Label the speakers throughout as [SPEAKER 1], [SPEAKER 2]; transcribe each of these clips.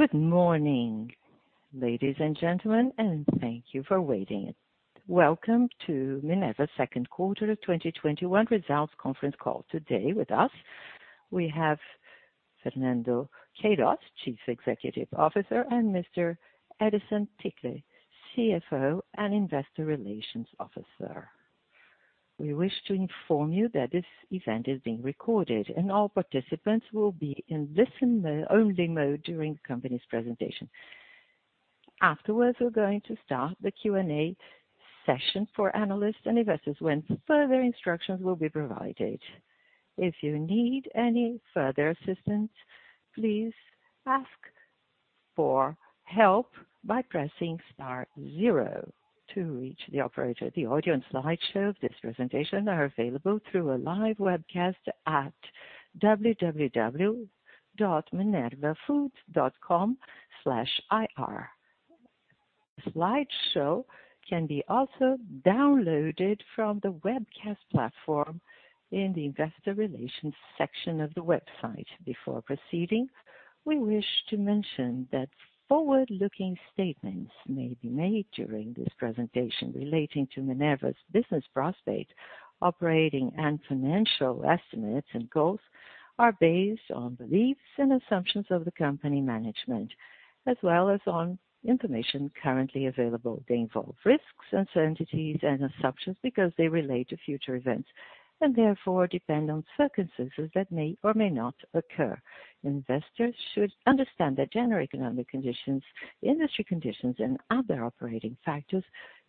[SPEAKER 1] Good morning, ladies and gentlemen, and thank you for waiting. Welcome to Minerva's 2nd quarter of 2021 results conference call. Today with us, we have Fernando Queiroz, Chief Executive Officer, and Mr. Edison Ticle, CFO and Investor Relations Officer. We wish to inform you that this event is being recorded, and all participants will be in listen-only mode during the company's presentation. Afterwards, we're going to start the Q&A session for analysts and investors when further instructions will be provided. If you need any further assistance, please ask for help by pressing star zero to reach the operator. The audio and slideshow of this presentation are available through a live webcast at www.minervafoods.com/ir. The slideshow can be also downloaded from the webcast platform in the investor relations section of the website. Before proceeding, we wish to mention that forward-looking statements may be made during this presentation relating to Minerva's business prospects, operating and financial estimates and goals are based on beliefs and assumptions of the company management as well as on information currently available. They involve risks, uncertainties, and assumptions because they relate to future events, and therefore depend on circumstances that may or may not occur. Investors should understand that general economic conditions, industry conditions, and other operating factors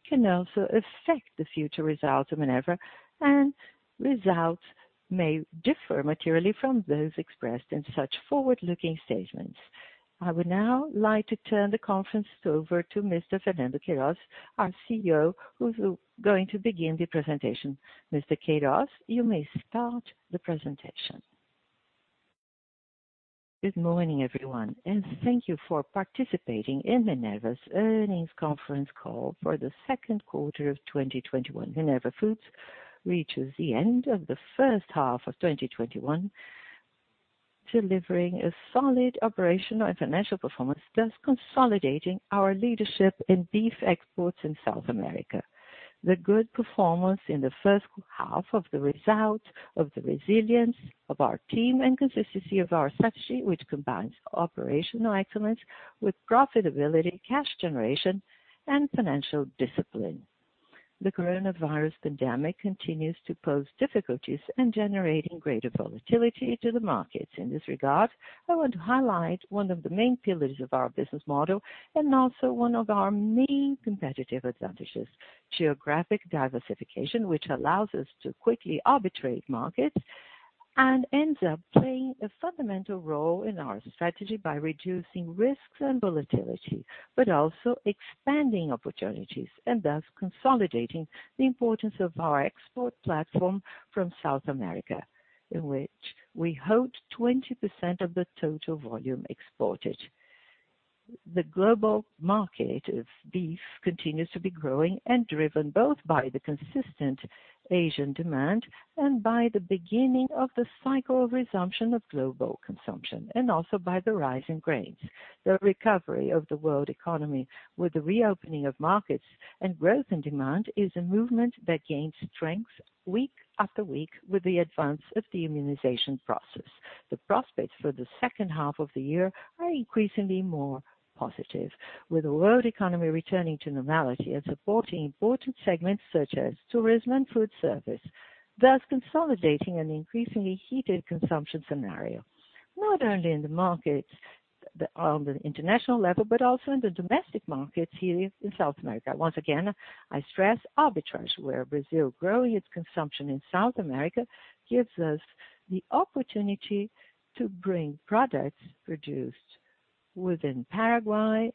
[SPEAKER 1] can also affect the future results of Minerva, and results may differ materially from those expressed in such forward-looking statements. I would now like to turn the conference over to Mr. Fernando Queiroz, our CEO, who is going to begin the presentation. Mr. Queiroz, you may start the presentation.
[SPEAKER 2] Good morning, everyone, and thank you for participating in Minerva's earnings conference call for the second quarter of 2021. Minerva Foods reaches the end of the first half of 2021, delivering a solid operational and financial performance, thus consolidating our leadership in beef exports in South America. The good performance in the first half of the result of the resilience of our team and consistency of our strategy, which combines operational excellence with profitability, cash generation, and financial discipline. The coronavirus pandemic continues to pose difficulties in generating greater volatility to the markets. In this regard, I want to highlight one of the main pillars of our business model and also one of our main competitive advantages: geographic diversification, which allows us to quickly arbitrate markets and ends up playing a fundamental role in our strategy by reducing risks and volatility, but also expanding opportunities and thus consolidating the importance of our export platform from South America, in which we hold 20% of the total volume exported. The global market of beef continues to be growing and driven both by the consistent Asian demand and by the beginning of the cycle of resumption of global consumption, and also by the rise in grains. The recovery of the world economy with the reopening of markets and growth in demand is a movement that gains strength week after week with the advance of the immunization process. The prospects for the second half of the year are increasingly more positive, with the world economy returning to normality and supporting important segments such as tourism and food service, thus consolidating an increasingly heated consumption scenario, not only on the international level, but also in the domestic markets here in South America. Once again, I stress arbitrage, where Brazil growing its consumption in South America gives us the opportunity to bring products produced within Paraguay,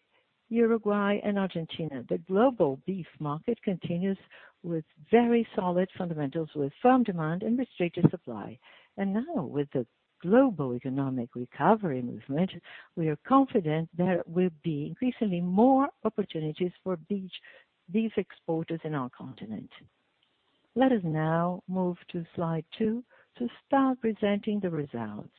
[SPEAKER 2] Uruguay, and Argentina. The global beef market continues with very solid fundamentals, with firm demand and restricted supply. Now, with the global economic recovery movement, we are confident there will be increasingly more opportunities for beef exporters in our continent. Let us now move to slide two to start presenting the results.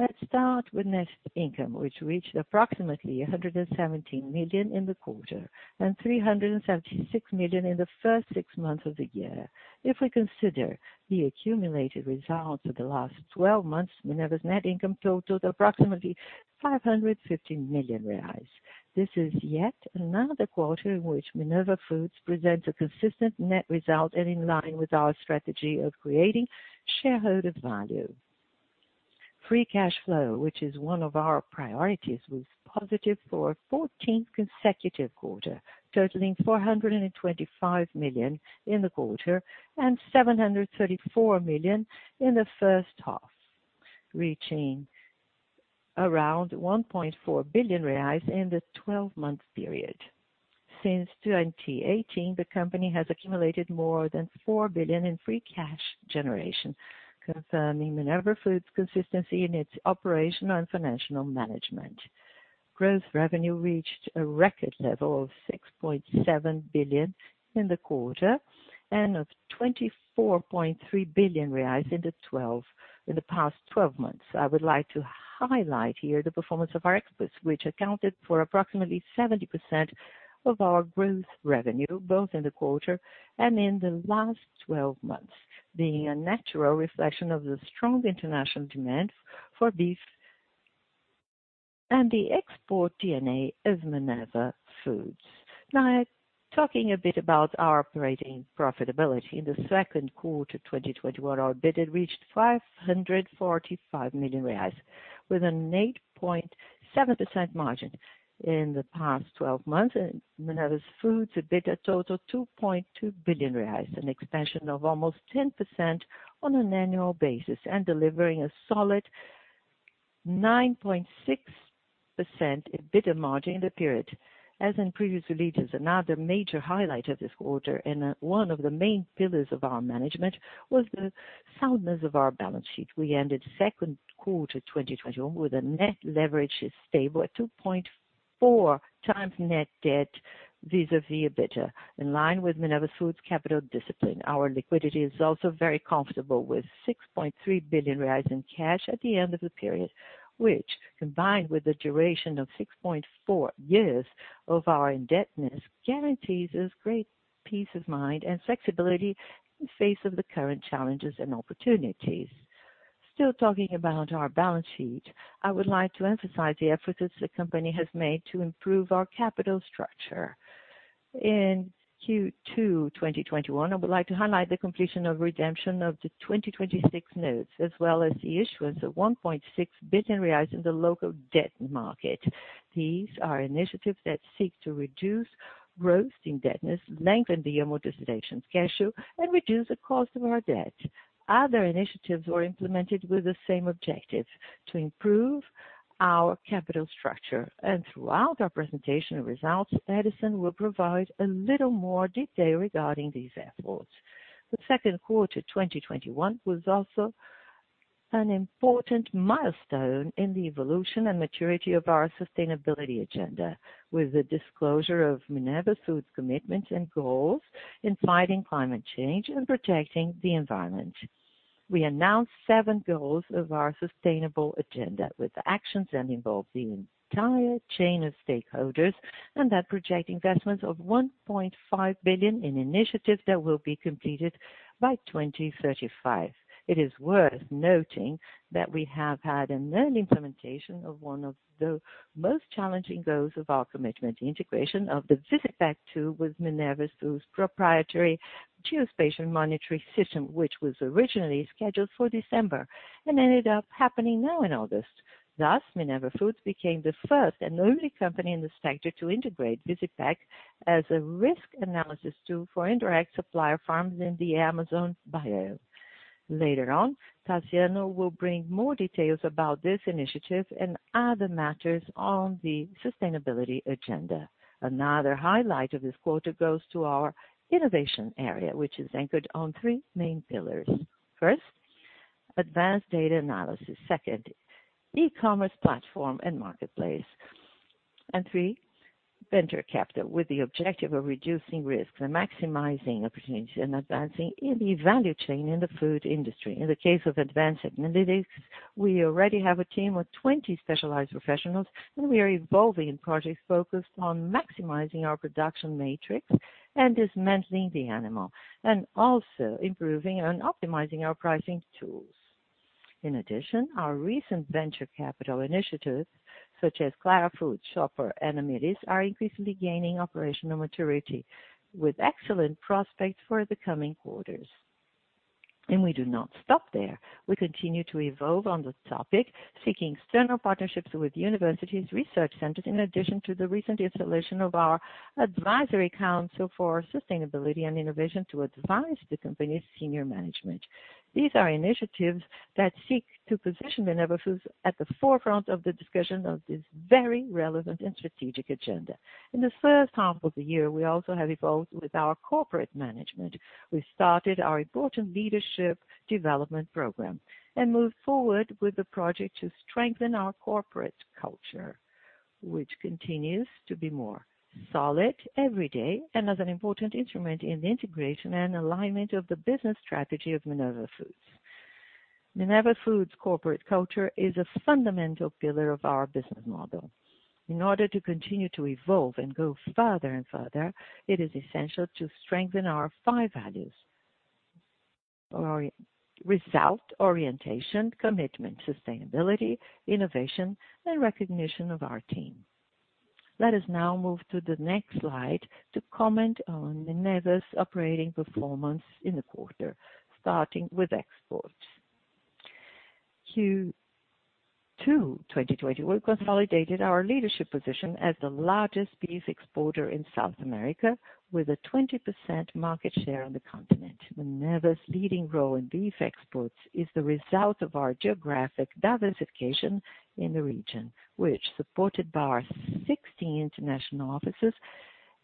[SPEAKER 2] Let's start with net income, which reached approximately 117 million in the quarter and 376 million in the first six months of the year. If we consider the accumulated results of the last 12 months, Minerva's net income totaled approximately 550 million reais. This is yet another quarter in which Minerva Foods presents a consistent net result and in line with our strategy of creating shareholder value. Free cash flow, which is one of our priorities, was positive for a 14th consecutive quarter, totaling 425 million in the quarter and 734 million in the first half, reaching around 1.4 billion reais in the 12-month period. Since 2018, the company has accumulated more than $4 billion in free cash generation, confirming Minerva Foods' consistency in its operational and financial management. Gross revenue reached a record level of 6.7 billion in the quarter and of 24.3 billion reais in the past 12 months, I would like to highlight here the performance of our exports, which accounted for approximately 70% of our growth revenue, both in the quarter and in the last 12 months, being a natural reflection of the strong international demand for beef and the export DNA of Minerva Foods. Now, talking a bit about our operating profitability. In the second quarter 2021, our EBITDA reached 545 million reais with an 8.7% margin. In the past 12 months, Minerva Foods EBITDA totaled 2.2 billion reais, an expansion of almost 10% on an annual basis, and delivering a solid 9.6% EBITDA margin in the period. As in previous releases, another major highlight of this quarter and one of the main pillars of our management was the soundness of our balance sheet. We ended second quarter 2021 with a net leverage stable at 2.4x net debt vis-à-vis EBITDA, in line with Minerva Foods' capital discipline. Our liquidity is also very comfortable, with 6.3 billion reais in cash at the end of the period, which, combined with the duration of 6.4 years of our indebtedness, guarantees us great peace of mind and flexibility in face of the current challenges and opportunities. Still talking about our balance sheet, I would like to emphasize the efforts the company has made to improve our capital structure. In Q2 2021, I would like to highlight the completion of redemption of the 2026 Notes, as well as the issuance of 1.6 billion reais in the local debt market. These are initiatives that seek to reduce gross indebtedness, lengthen the amortization schedule, and reduce the cost of our debt. Other initiatives were implemented with the same objective, to improve our capital structure. Throughout our presentation results, Edison will provide a little more detail regarding these efforts. Second quarter 2021 was also an important milestone in the evolution and maturity of our sustainability agenda with the disclosure of Minerva Foods' commitments and goals in fighting climate change and protecting the environment. We announced seven goals of our sustainable agenda with actions that involve the entire chain of stakeholders and that project investments of 1.5 billion in initiatives that will be completed by 2035. It is worth noting that we have had an early implementation of one of the most challenging goals of our commitment, the integration of the Visipec tool with Minerva Foods proprietary geospatial monitoring system, which was originally scheduled for December and ended up happening now in August. Minerva Foods became the first and only company in the sector to integrate Visipec as a risk analysis tool for indirect supplier farms in the Amazon biome. Later on, Taciano will bring more details about this initiative and other matters on the sustainability agenda. Another highlight of this quarter goes to our innovation area, which is anchored on three main pillars. First, advanced data analysis. Second, e-commerce platform and marketplace. Three, venture capital, with the objective of reducing risks and maximizing opportunities and advancing in the value chain in the food industry. In the case of advanced analytics, we already have a team of 20 specialized professionals, and we are evolving in projects focused on maximizing our production matrix and dismantling the animal and also improving and optimizing our pricing tools. In addition, our recent venture capital initiatives such as Clara Foods, Shopper, and Amyris are increasingly gaining operational maturity with excellent prospects for the coming quarters. We do not stop there. We continue to evolve on the topic, seeking external partnerships with universities, research centers, in addition to the recent installation of our advisory council for sustainability and innovation to advise the company's senior management. These are initiatives that seek to position Minerva Foods at the forefront of the discussion of this very relevant and strategic agenda. In the first half of the year, we also have evolved with our corporate management. We started our important leadership development program and moved forward with the project to strengthen our corporate culture, which continues to be more solid every day and as an important instrument in the integration and alignment of the business strategy of Minerva Foods. Minerva Foods' corporate culture is a fundamental pillar of our business model. In order to continue to evolve and go further and further, it is essential to strengthen our five values: result orientation, commitment, sustainability, innovation, and recognition of our team. Let us now move to the next slide to comment on Minerva's operating performance in the quarter, starting with exports. Q2 2021 consolidated our leadership position as the largest beef exporter in South America with a 20% market share on the continent. Minerva's leading role in beef exports is the result of our geographic diversification in the region, which, supported by our 16 international offices,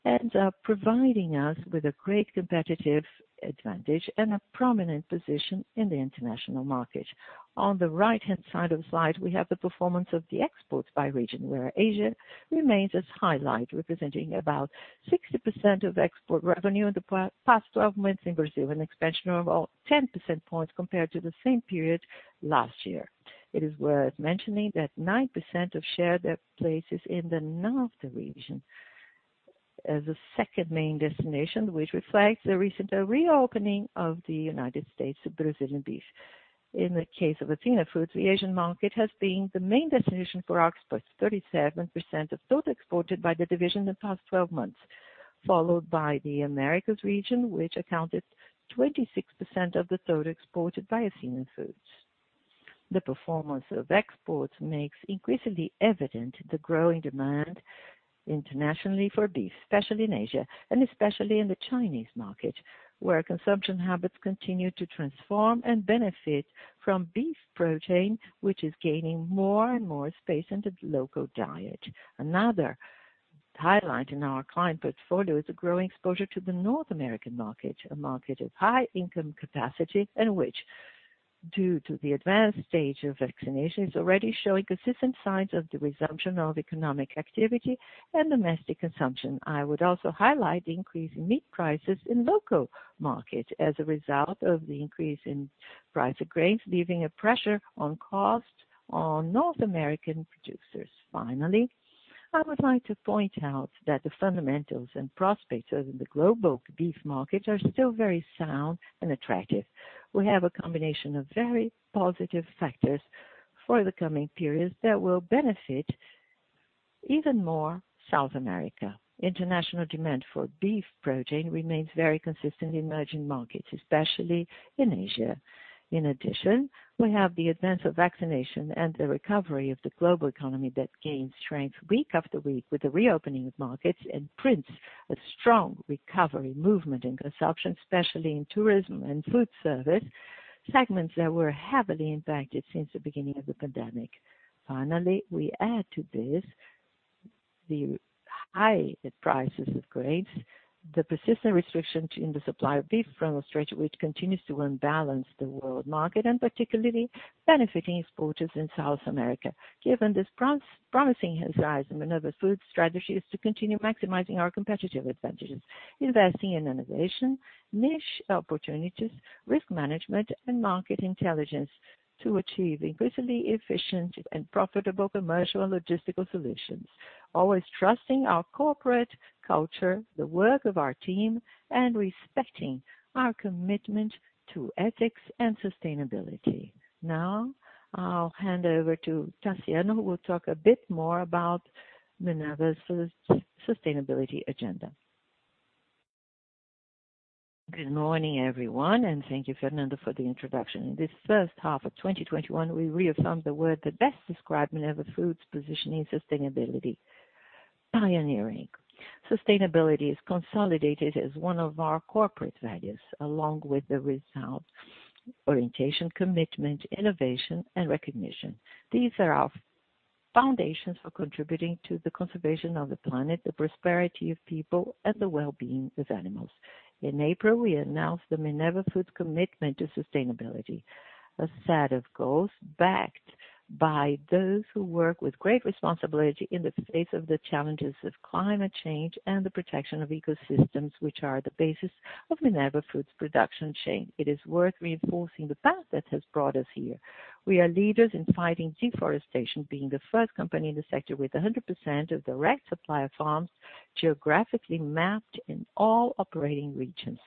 [SPEAKER 2] ends up providing us with a great competitive advantage and a prominent position in the international market. On the right-hand side of the slide, we have the performance of the exports by region, where Asia remains as highlight, representing about 60% of export revenue in the past 12 months in Brazil, an expansion of about 10% points compared to the same period last year. It is worth mentioning that 9% of share their places in the NAFTA region as the second main destination, which reflects the recent reopening of the United States to Brazilian beef. In the case of Athena Foods, the Asian market has been the main destination for exports, 37% of total exported by the division in the past 12 months, followed by the Americas region, which accounted 26% of the total exported by Athena Foods. The performance of exports makes increasingly evident the growing demand internationally for beef, especially in Asia and especially in the Chinese market, where consumption habits continue to transform and benefit from beef protein, which is gaining more and more space in the local diet. Another highlight in our client portfolio is a growing exposure to the North American market, a market of high-income capacity, and which, due to the advanced stage of vaccination, is already showing consistent signs of the resumption of economic activity and domestic consumption. I would also highlight the increase in meat prices in local markets as a result of the increase in price of grains, leaving a pressure on cost on North American producers. Finally, I would like to point out that the fundamentals and prospects of the global beef market are still very sound and attractive. We have a combination of very positive factors for the coming periods that will benefit even more South America. International demand for beef protein remains very consistent in emerging markets, especially in Asia. In addition, we have the advance of vaccination and the recovery of the global economy that gains strength week after week with the reopening of markets and prints a strong recovery movement in consumption, especially in tourism and food service, segments that were heavily impacted since the beginning of the pandemic. We add to this the high prices of grains, the persistent restriction in the supply of beef from Australia, which continues to unbalance the world market and particularly benefiting exporters in South America. Given this promising horizon, Minerva Foods' strategy is to continue maximizing our competitive advantages, investing in innovation, niche opportunities, risk management, and market intelligence to achieve increasingly efficient and profitable commercial and logistical solutions, always trusting our corporate culture, the work of our team, and respecting our commitment to ethics and sustainability. I'll hand over to Taciano, who will talk a bit more about Minerva's sustainability agenda.
[SPEAKER 3] Good morning, everyone, and thank you, Fernando, for the introduction. In this first half of 2021, we reaffirmed the word that best described Minerva Foods' position in sustainability, pioneering. Sustainability is consolidated as one of our corporate values, along with the result, orientation, commitment, innovation, and recognition. These are our foundations for contributing to the conservation of the planet, the prosperity of people, and the well-being of animals. In April, we announced the Minerva Foods commitment to sustainability, a set of goals backed by those who work with great responsibility in the face of the challenges of climate change and the protection of ecosystems, which are the basis of Minerva Foods production chain. It is worth reinforcing the path that has brought us here. We are leaders in fighting deforestation, being the first company in the sector with 100% of direct supplier farms geographically mapped in all operating regions.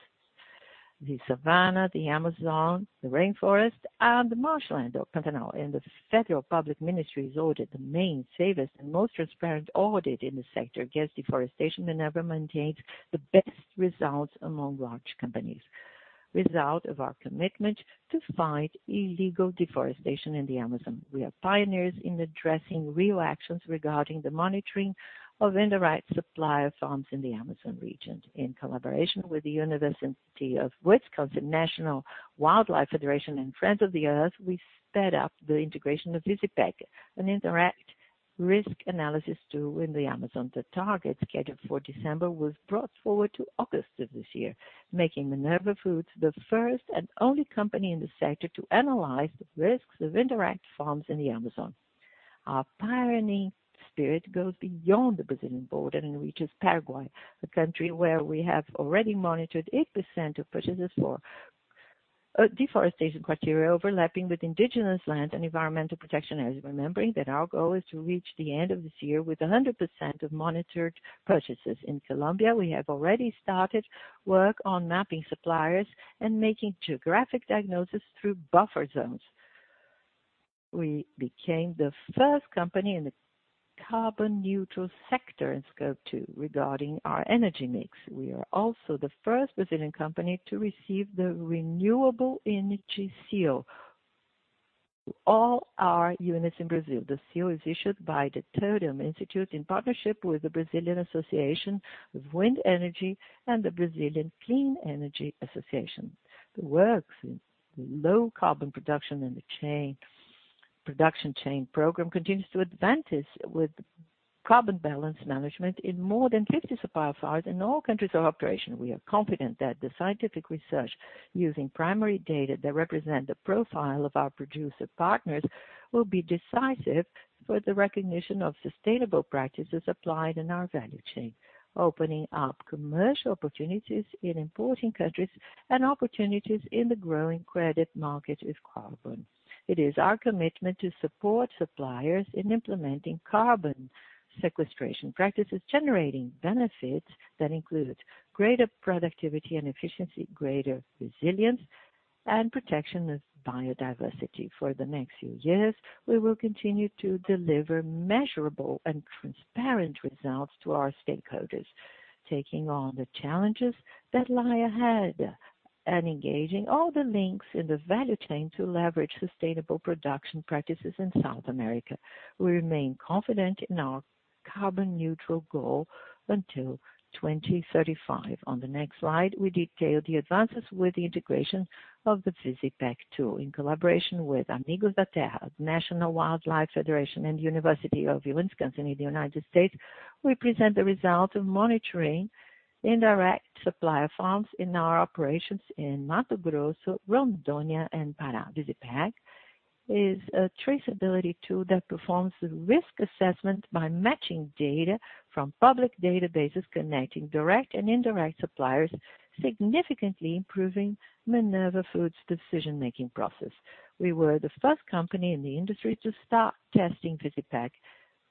[SPEAKER 3] The savanna, the Amazon, the rainforest, and the marshland or Pantanal. The Federal Public Ministry has ordered the main, safest, and most transparent audit in the sector against deforestation. Minerva maintains the best results among large companies, result of our commitment to fight illegal deforestation in the Amazon. We are pioneers in addressing real actions regarding the monitoring of indirect supplier farms in the Amazon region. In collaboration with the University of Wisconsin, National Wildlife Federation, and Friends of the Earth, we sped up the integration of Visipec, an indirect risk analysis tool in the Amazon. The target, scheduled for December, was brought forward to August of this year, making Minerva Foods the first and only company in the sector to analyze the risks of indirect farms in the Amazon. Our pioneering spirit goes beyond the Brazilian border and reaches Paraguay, a country where we have already monitored 8% of purchases for deforestation criteria overlapping with indigenous land and environmental protection areas. Remembering that our goal is to reach the end of this year with 100% of monitored purchases. In Colombia, we have already started work on mapping suppliers and making geographic diagnosis through buffer zones. We became the first company in the carbon-neutral sector in scope two regarding our energy mix. We are also the first Brazilian company to receive the Renewable Energy Seal. All our units in Brazil. The seal is issued by the Totum Institute in partnership with the Brazilian Association of Wind Energy and the Brazilian Clean Energy Association. Low carbon production in the production chain program continues to advance with carbon balance management in more than 50 supplier files in all countries of operation. We are confident that the scientific research using primary data that represent the profile of our producer partners will be decisive for the recognition of sustainable practices applied in our value chain, opening up commercial opportunities in importing countries and opportunities in the growing credit market with carbon. It is our commitment to support suppliers in implementing carbon sequestration practices, generating benefits that include greater productivity and efficiency, greater resilience and protection of biodiversity. For the next few years, we will continue to deliver measurable and transparent results to our stakeholders, taking on the challenges that lie ahead and engaging all the links in the value chain to leverage sustainable production practices in South America. We remain confident in our carbon-neutral goal until 2035. On the next slide, we detail the advances with the integration of the Visipec tool. In collaboration with Amigos da Terra, National Wildlife Federation, and University of Wisconsin in the U.S., we present the result of monitoring indirect supplier farms in our operations in Mato Grosso, Rondônia, and Pará. Visipec is a traceability tool that performs risk assessment by matching data from public databases, connecting direct and indirect suppliers, significantly improving Minerva Foods' decision-making process. We were the first company in the industry to start testing Visipec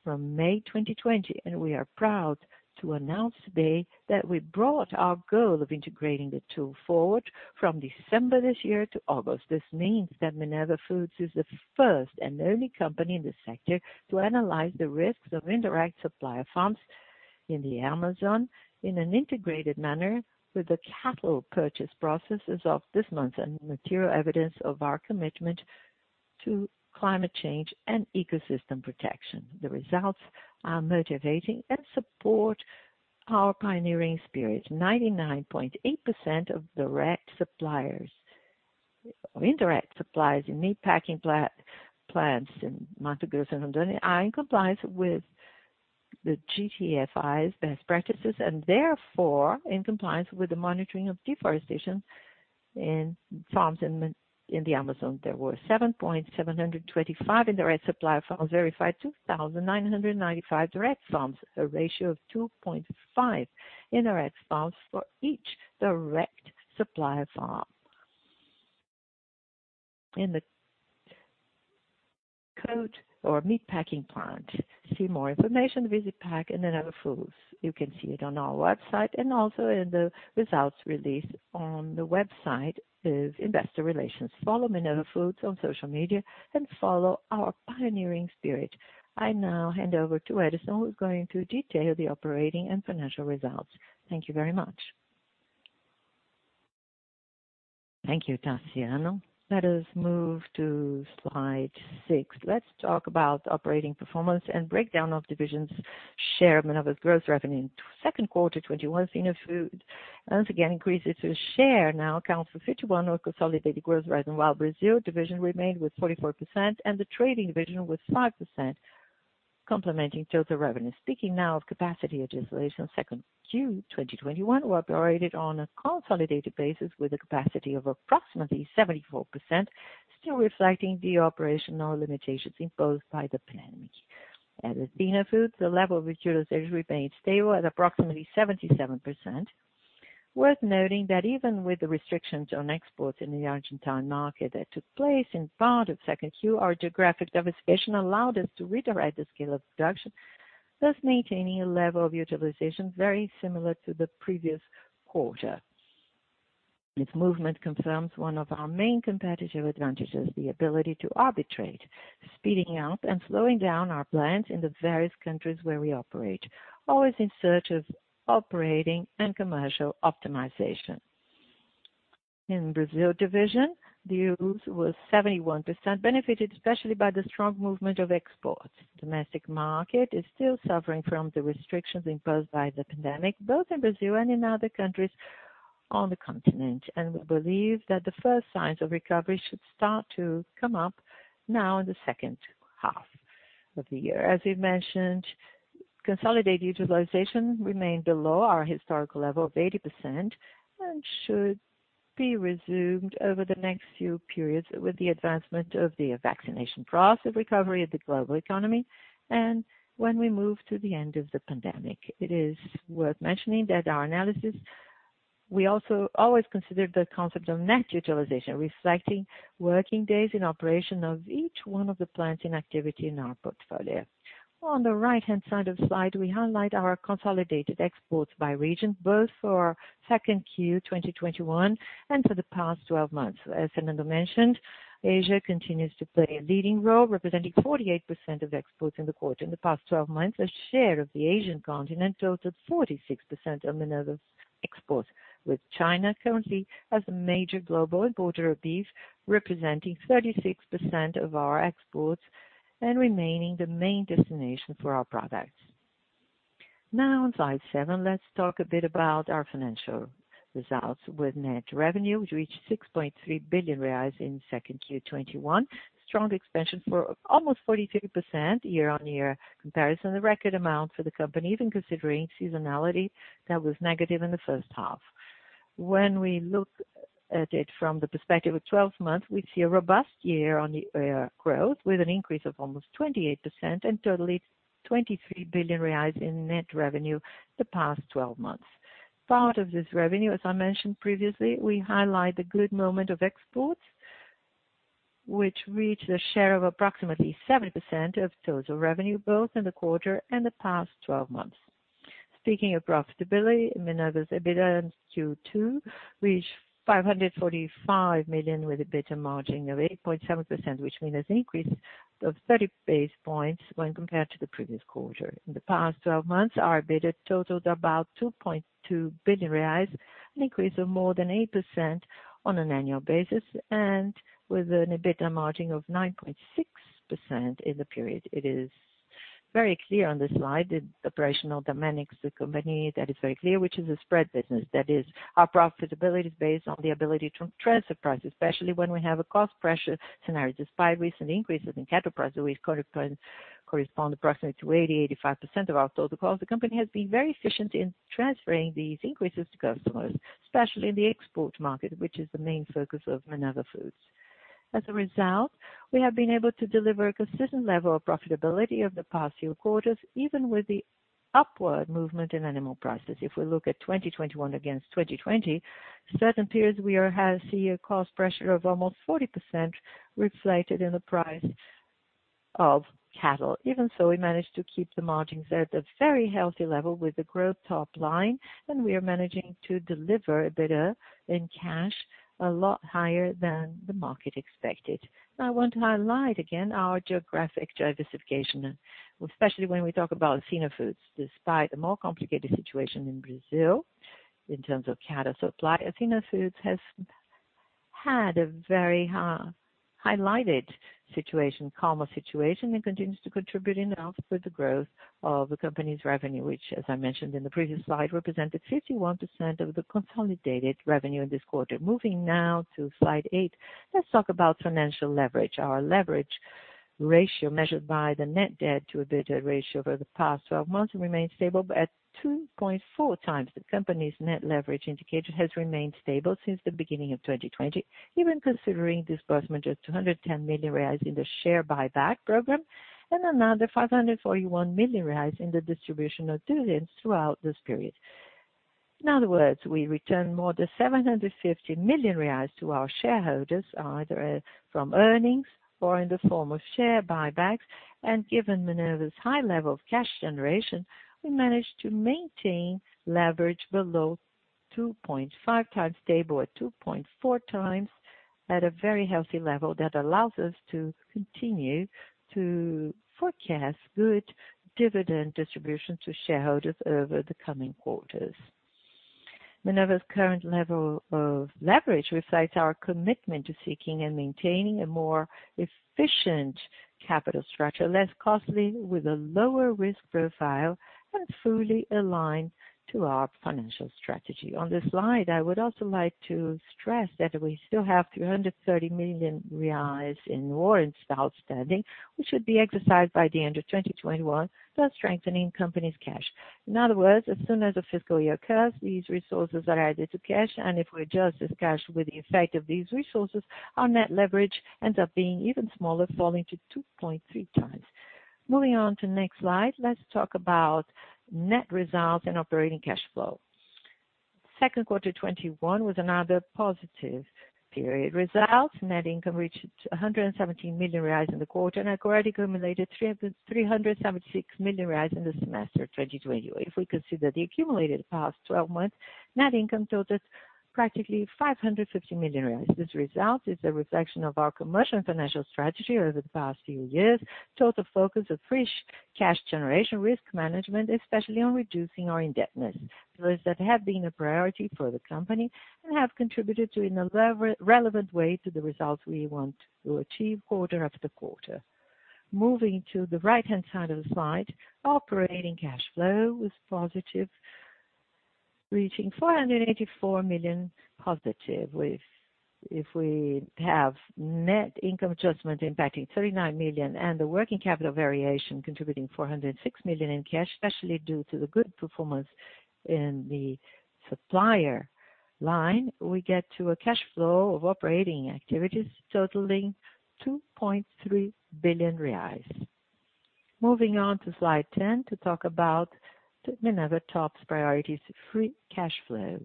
[SPEAKER 3] from May 2020, and we are proud to announce today that we brought our goal of integrating the tool forward from December this year to August. This means that Minerva Foods is the first and only company in the sector to analyze the risks of indirect supplier farms in the Amazon in an integrated manner with the cattle purchase processes of this month, and material evidence of our commitment to climate change and ecosystem protection. The results are motivating and support our pioneering spirit. 99.8% of indirect suppliers in meat packing plants in Mato Grosso and Rondônia are in compliance with the GTFI's best practices and therefore in compliance with the monitoring of deforestation in farms in the Amazon. There were 7,725 indirect supplier farms verified, 2,995 direct farms, a ratio of 2.5 indirect farms for each direct supplier farm in the [coat] or meat packing plant. To see more information, Visipec and Minerva Foods. You can see it on our website and also in the results released on the website of investor relations. Follow Minerva Foods on social media and follow our pioneering spirit. I now hand over to Edison, who's going to detail the operating and financial results. Thank you very much.
[SPEAKER 4] Thank you, Taciano. Let us move to slide six. Let's talk about operating performance and breakdown of divisions share Minerva's gross revenue into Q2 2021. Athena Foods once again increases its share, now accounts for 51% of consolidated gross revenue. While Brazil division remained with 44% and the trading division with 5%, complementing total revenue. Speaking now of capacity utilization Q2 2021. We operated on a consolidated basis with a capacity of approximately 74%, still reflecting the operational limitations imposed by the pandemic. As with Athena Foods, the level of utilization remained stable at approximately 77%. Worth noting that even with the restrictions on exports in the Argentine market that took place in part of Q2, our geographic diversification allowed us to redirect the scale of production, thus maintaining a level of utilization very similar to the previous quarter. This movement confirms one of our main competitive advantages, the ability to arbitrate, speeding up and slowing down our plants in the various countries where we operate, always in search of operating and commercial optimization. In Brazil division, the use was 71%, benefited especially by the strong movement of exports. Domestic market is still suffering from the restrictions imposed by the pandemic, both in Brazil and in other countries on the continent. We believe that the first signs of recovery should start to come up now in the second half of the year. As we've mentioned, consolidated utilization remained below our historical level of 80% and should be resumed over the next few periods with the advancement of the vaccination process, recovery of the global economy, and when we move to the end of the pandemic. It is worth mentioning that our analysis, we also always consider the concept of net utilization, reflecting working days in operation of each one of the plants in activity in our portfolio. On the right-hand side of slide, we highlight our consolidated exports by region, both for Q2 2021 and for the past 12 months. As Fernando mentioned, Asia continues to play a leading role, representing 48% of exports in the quarter. In the past 12 months, a share of the Asian continent totaled 46% of Minerva's exports, with China currently as a major global importer of beef, representing 36% of our exports and remaining the main destination for our products. Now on slide seven, let's talk a bit about our financial results with net revenue, which reached 6.3 billion reais in Q2 2021. Strong expansion for almost 42% year-on-year comparison, the record amount for the company, even considering seasonality that was negative in the first half. When we look at it from the perspective of 12 months, we see a robust year-on-year growth with an increase of almost 28% and total 23 billion reais in net revenue the past 12 months. Part of this revenue, as I mentioned previously, we highlight the good moment of export, which reached a share of approximately 70% of total revenue, both in the quarter and the past 12 months. Speaking of profitability, Minerva's EBITDA in Q2 reached 545 million, with EBITDA margin of 8.7%, which means an increase of 30 basis points when compared to the previous quarter. In the past 12 months, our EBITDA totaled about 2.2 billion reais, an increase of more than 8% on an annual basis, with an EBITDA margin of 9.6% in the period. It is very clear on this slide, the operational dynamics of the company that is very clear, which is a spread business. That is, our profitability is based on the ability to transfer prices, especially when we have a cost pressure scenario. Despite recent increases in cattle prices, which correspond approximately to 80%-85% of our total cost, the company has been very efficient in transferring these increases to customers, especially in the export market, which is the main focus of Minerva Foods. As a result, we have been able to deliver a consistent level of profitability over the past few quarters, even with the upward movement in animal prices. If we look at 2021 against 2020, certain periods we see a cost pressure of almost 40% reflected in the price of cattle. Even so, we managed to keep the margins at a very healthy level with the growth top line, and we are managing to deliver a better in cash, a lot higher than the market expected. Now I want to highlight again our geographic diversification, especially when we talk about Athena Foods. Despite the more complicated situation in Brazil in terms of cattle supply, Athena Foods has had a very highlighted situation, calmer situation, and continues to contribute enough with the growth of the company's revenue, which, as I mentioned in the previous slide, represented 51% of the consolidated revenue in this quarter. Moving now to slide eight, let's talk about financial leverage. Our leverage ratio measured by the net debt to EBITDA ratio over the past 12 months remains stable at 2.4x. The company's net leverage indicator has remained stable since the beginning of 2020, even considering disbursement of 210 million reais in the share buyback program and another 541 million reais in the distribution of dividends throughout this period. In other words, we returned more than 750 million reais to our shareholders, either from earnings or in the form of share buybacks. Given Minerva's high level of cash generation, we managed to maintain leverage below 2.5x stable at 2.4x at a very healthy level that allows us to continue to forecast good dividend distribution to shareholders over the coming quarters. Minerva's current level of leverage reflects our commitment to seeking and maintaining a more efficient capital structure, less costly, with a lower risk profile and fully aligned to our financial strategy. On this slide, I would also like to stress that we still have 330 million reais in warrants outstanding, which should be exercised by the end of 2021, thus strengthening company's cash. In other words, as soon as the fiscal year occurs, these resources are added to cash, and if we adjust this cash with the effect of these resources, our net leverage ends up being even smaller, falling to 2.3x. Moving on to next slide, let's talk about net results and operating cash flow. Q2 2021 was another positive period result. Net income reached 117 million reais in the quarter and accumulated 376 million reais in the semester 2021. If we consider the accumulated past 12 months, net income totaled practically 550 million reais. This result is a reflection of our commercial and financial strategy over the past few years. Total focus on free cash generation risk management, especially on reducing our indebtedness. [Pillars] that have been a priority for the company and have contributed to in a relevant way to the results we want to achieve quarter after quarter. Moving to the right-hand side of the slide. Operating cash flow was positive, reaching 484 million positive. If we have net income adjustment impacting 39 million and the working capital variation contributing 406 million in cash, especially due to the good performance in the supplier line, we get to a cash flow of operating activities totaling 2.3 billion reais. Moving on to slide 10 to talk about Minerva top priorities free cash flow.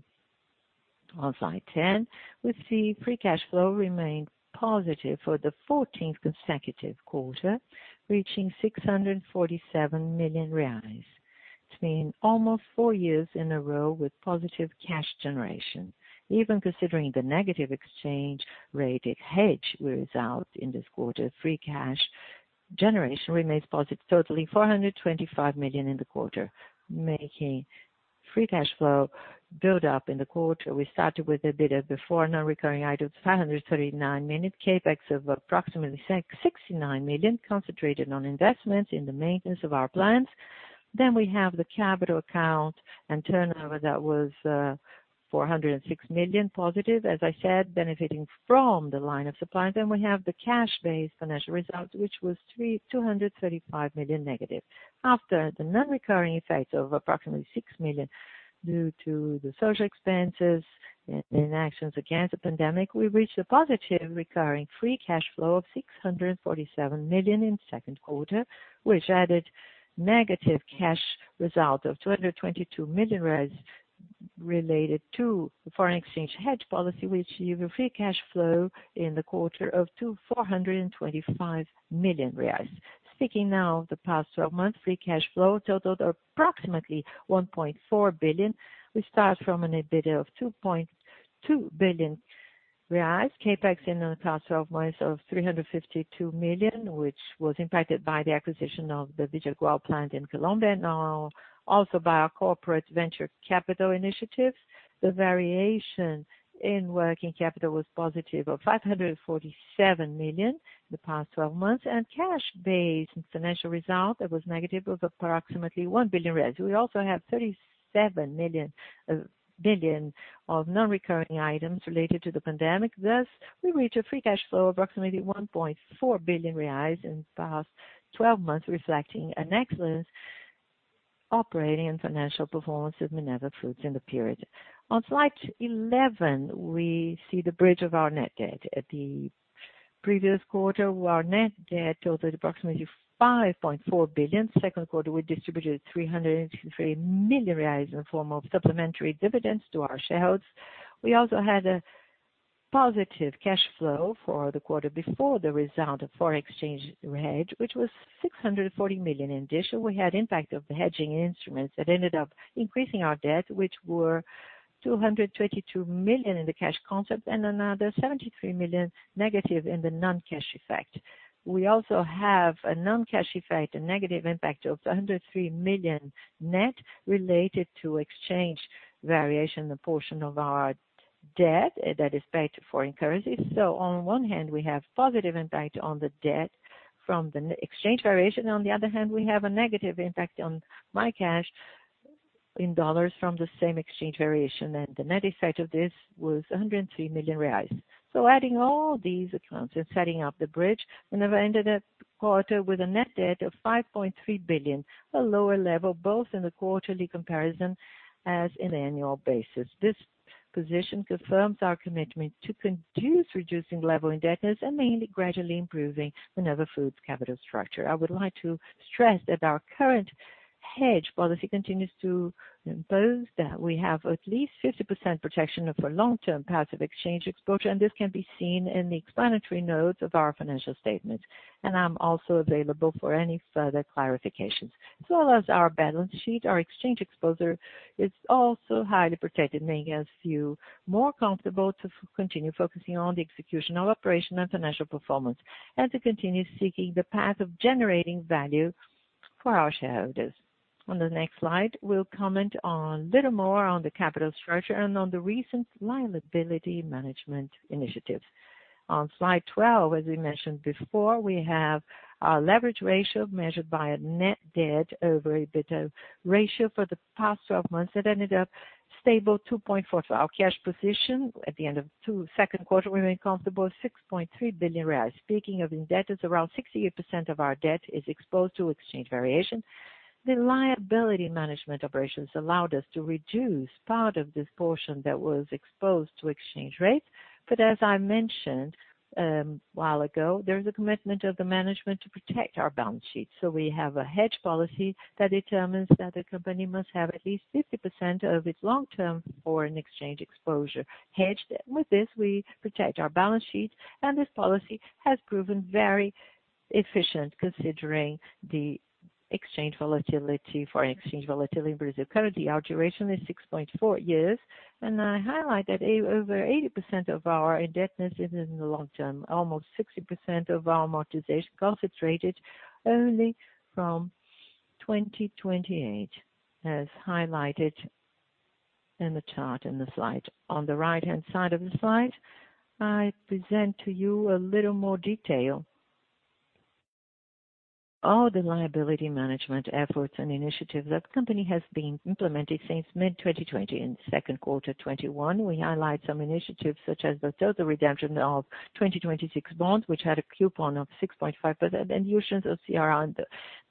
[SPEAKER 4] On slide 10, we see free cash flow remained positive for the 14th consecutive quarter, reaching 647 million reais. It's been almost four years in a row with positive cash generation. Even considering the negative exchange rate hedge result in this quarter, free cash generation remains positive, totaling 425 million in the quarter, making free cash flow build up in the quarter. We started with EBITDA before non-recurring items, 539 million CapEx of approximately 69 million, concentrated on investments in the maintenance of our plants. We have the capital account and turnover that was 406 million positive, as I said, benefiting from the line of supply. We have the cash-based financial results, which was 235 million negative. After the non-recurring effects of approximately 6 million due to the social expenses in actions against the pandemic, we reached a positive recurring free cash flow of 647 million in second quarter, which added negative cash result of 222 million related to foreign exchange hedge policy, which gave a free cash flow in the quarter of 2,425 million reais. Speaking now of the past 12 months, free cash flow totaled approximately 1.4 billion. We start from an EBITDA of 2.2 billion reais. CapEx in the past 12 months of 352 million, which was impacted by the acquisition of the Vijagual plant in Colombia, now also by our corporate venture capital initiatives. The variation in working capital was positive of 547 million in the past 12 months. Cash-based financial result that was negative of approximately 1 billion. We also have 37 billion of non-recurring items related to the pandemic. We reach a free cash flow of approximately 1.4 billion reais in the past 12 months, reflecting an excellent operating and financial performance of Minerva Foods in the period. On slide 11, we see the bridge of our net debt. At the previous quarter, our net debt totaled approximately 5.4 billion. Q2, we distributed 363 million reais in the form of supplementary dividends to our shareholders. We also had a positive cash flow for the quarter before the result of foreign exchange hedge, which was 640 million. We had impact of the hedging instruments that ended up increasing our debt, which were 222 million in the cash concept and another 73 million negative in the non-cash effect. We also have a non-cash effect, a negative impact of 103 million net related to exchange variation, the portion of our debt that is paid to foreign currencies. On one hand, we have positive impact on the debt from the exchange variation. On the other hand, we have a negative impact on my cash in dollars from the same exchange variation. The net effect of this was 103 million reais. Adding all these accounts and setting up the bridge, Minerva ended that quarter with a net debt of 5.3 billion, a lower level both in the quarterly comparison as in annual basis. This position confirms our commitment to reducing level indebtedness and mainly gradually improving Minerva Foods capital structure. I would like to stress that our current hedge policy continues to impose that we have at least 50% protection of our long-term passive exchange exposure, and this can be seen in the explanatory notes of our financial statement. I'm also available for any further clarifications. Our balance sheet, our exchange exposure is also highly protected, making us feel more comfortable to continue focusing on the execution of operational and financial performance, and to continue seeking the path of generating value for our shareholders. On the next slide, we'll comment a little more on the capital structure and on the recent liability management initiatives. On slide 12, as we mentioned before, we have our leverage ratio measured by a net debt over EBITDA ratio for the past 12 months that ended up stable 2.4. Our cash position at the end of the second quarter remained comfortable 6.3 billion reais. Speaking of indebtedness, around 68% of our debt is exposed to exchange variation. The liability management operations allowed us to reduce part of this portion that was exposed to exchange rates. As I mentioned a while ago, there is a commitment of the management to protect our balance sheet. We have a hedge policy that determines that the company must have at least 50% of its long-term foreign exchange exposure hedged. With this, we protect our balance sheet, and this policy has proven very efficient considering the exchange volatility, foreign exchange volatility in Brazil. Currently, our duration is 6.4 years, and I highlight that over 80% of our indebtedness is in the long term. Almost 60% of our amortization cost is rated only from 2028, as highlighted in the chart in the slide. On the right-hand side of the slide, I present to you a little more detail, all the liability management efforts and initiatives that company has been implementing since mid-2020. In the second quarter 2021, we highlight some initiatives such as the total redemption of 2026 bonds, which had a coupon of 6.5% and issuance of CRA in the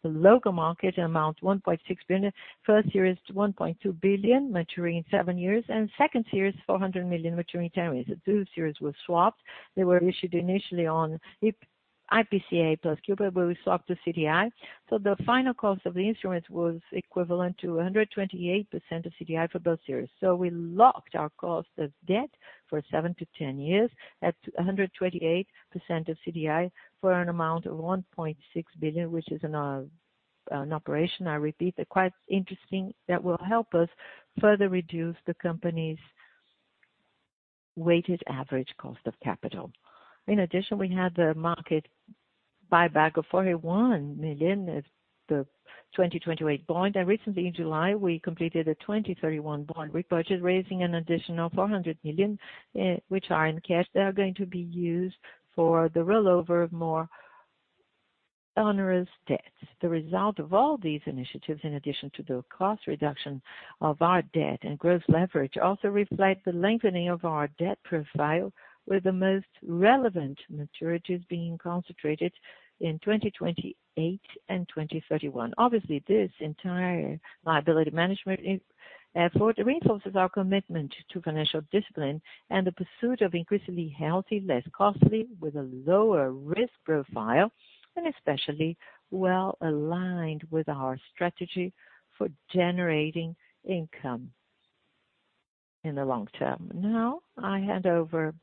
[SPEAKER 4] local market amount 1.6 billion. First series, 1.2 billion maturing in seven years, and second series, 400 million maturing in 10 years. The two series were swapped. They were issued initially on IPCA plus coupon. We swapped to CDI. The final cost of the instrument was equivalent to 128% of CDI for both series. We locked our cost of debt for 7-10 years at 128% of CDI for an amount of 1.6 billion, which is an operation, I repeat, quite interesting that will help us further reduce the company's weighted average cost of capital. We had the market buyback of 41 million of the 2028 bond. Recently in July, we completed a 2031 bond repurchase, raising an additional 400 million, which are in cash. They are going to be used for the rollover of more onerous debts. The result of all these initiatives, in addition to the cost reduction of our debt and gross leverage, also reflect the lengthening of our debt profile, with the most relevant maturities being concentrated in 2028 and 2031. This entire liability management effort reinforces our commitment to financial discipline and the pursuit of increasingly healthy, less costly, with a lower risk profile, and especially well-aligned with our strategy for generating income in the long term. I hand over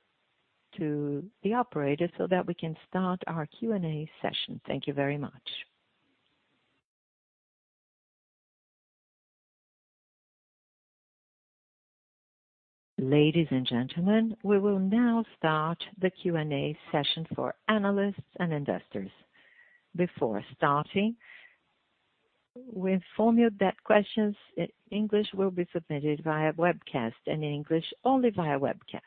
[SPEAKER 4] to the operator so that we can start our Q&A session. Thank you very much.
[SPEAKER 1] Ladies and gentlemen, we will now start the Q&A session for analysts and investors. Before starting, we inform you that questions in English will be submitted via webcast and in English only via webcast.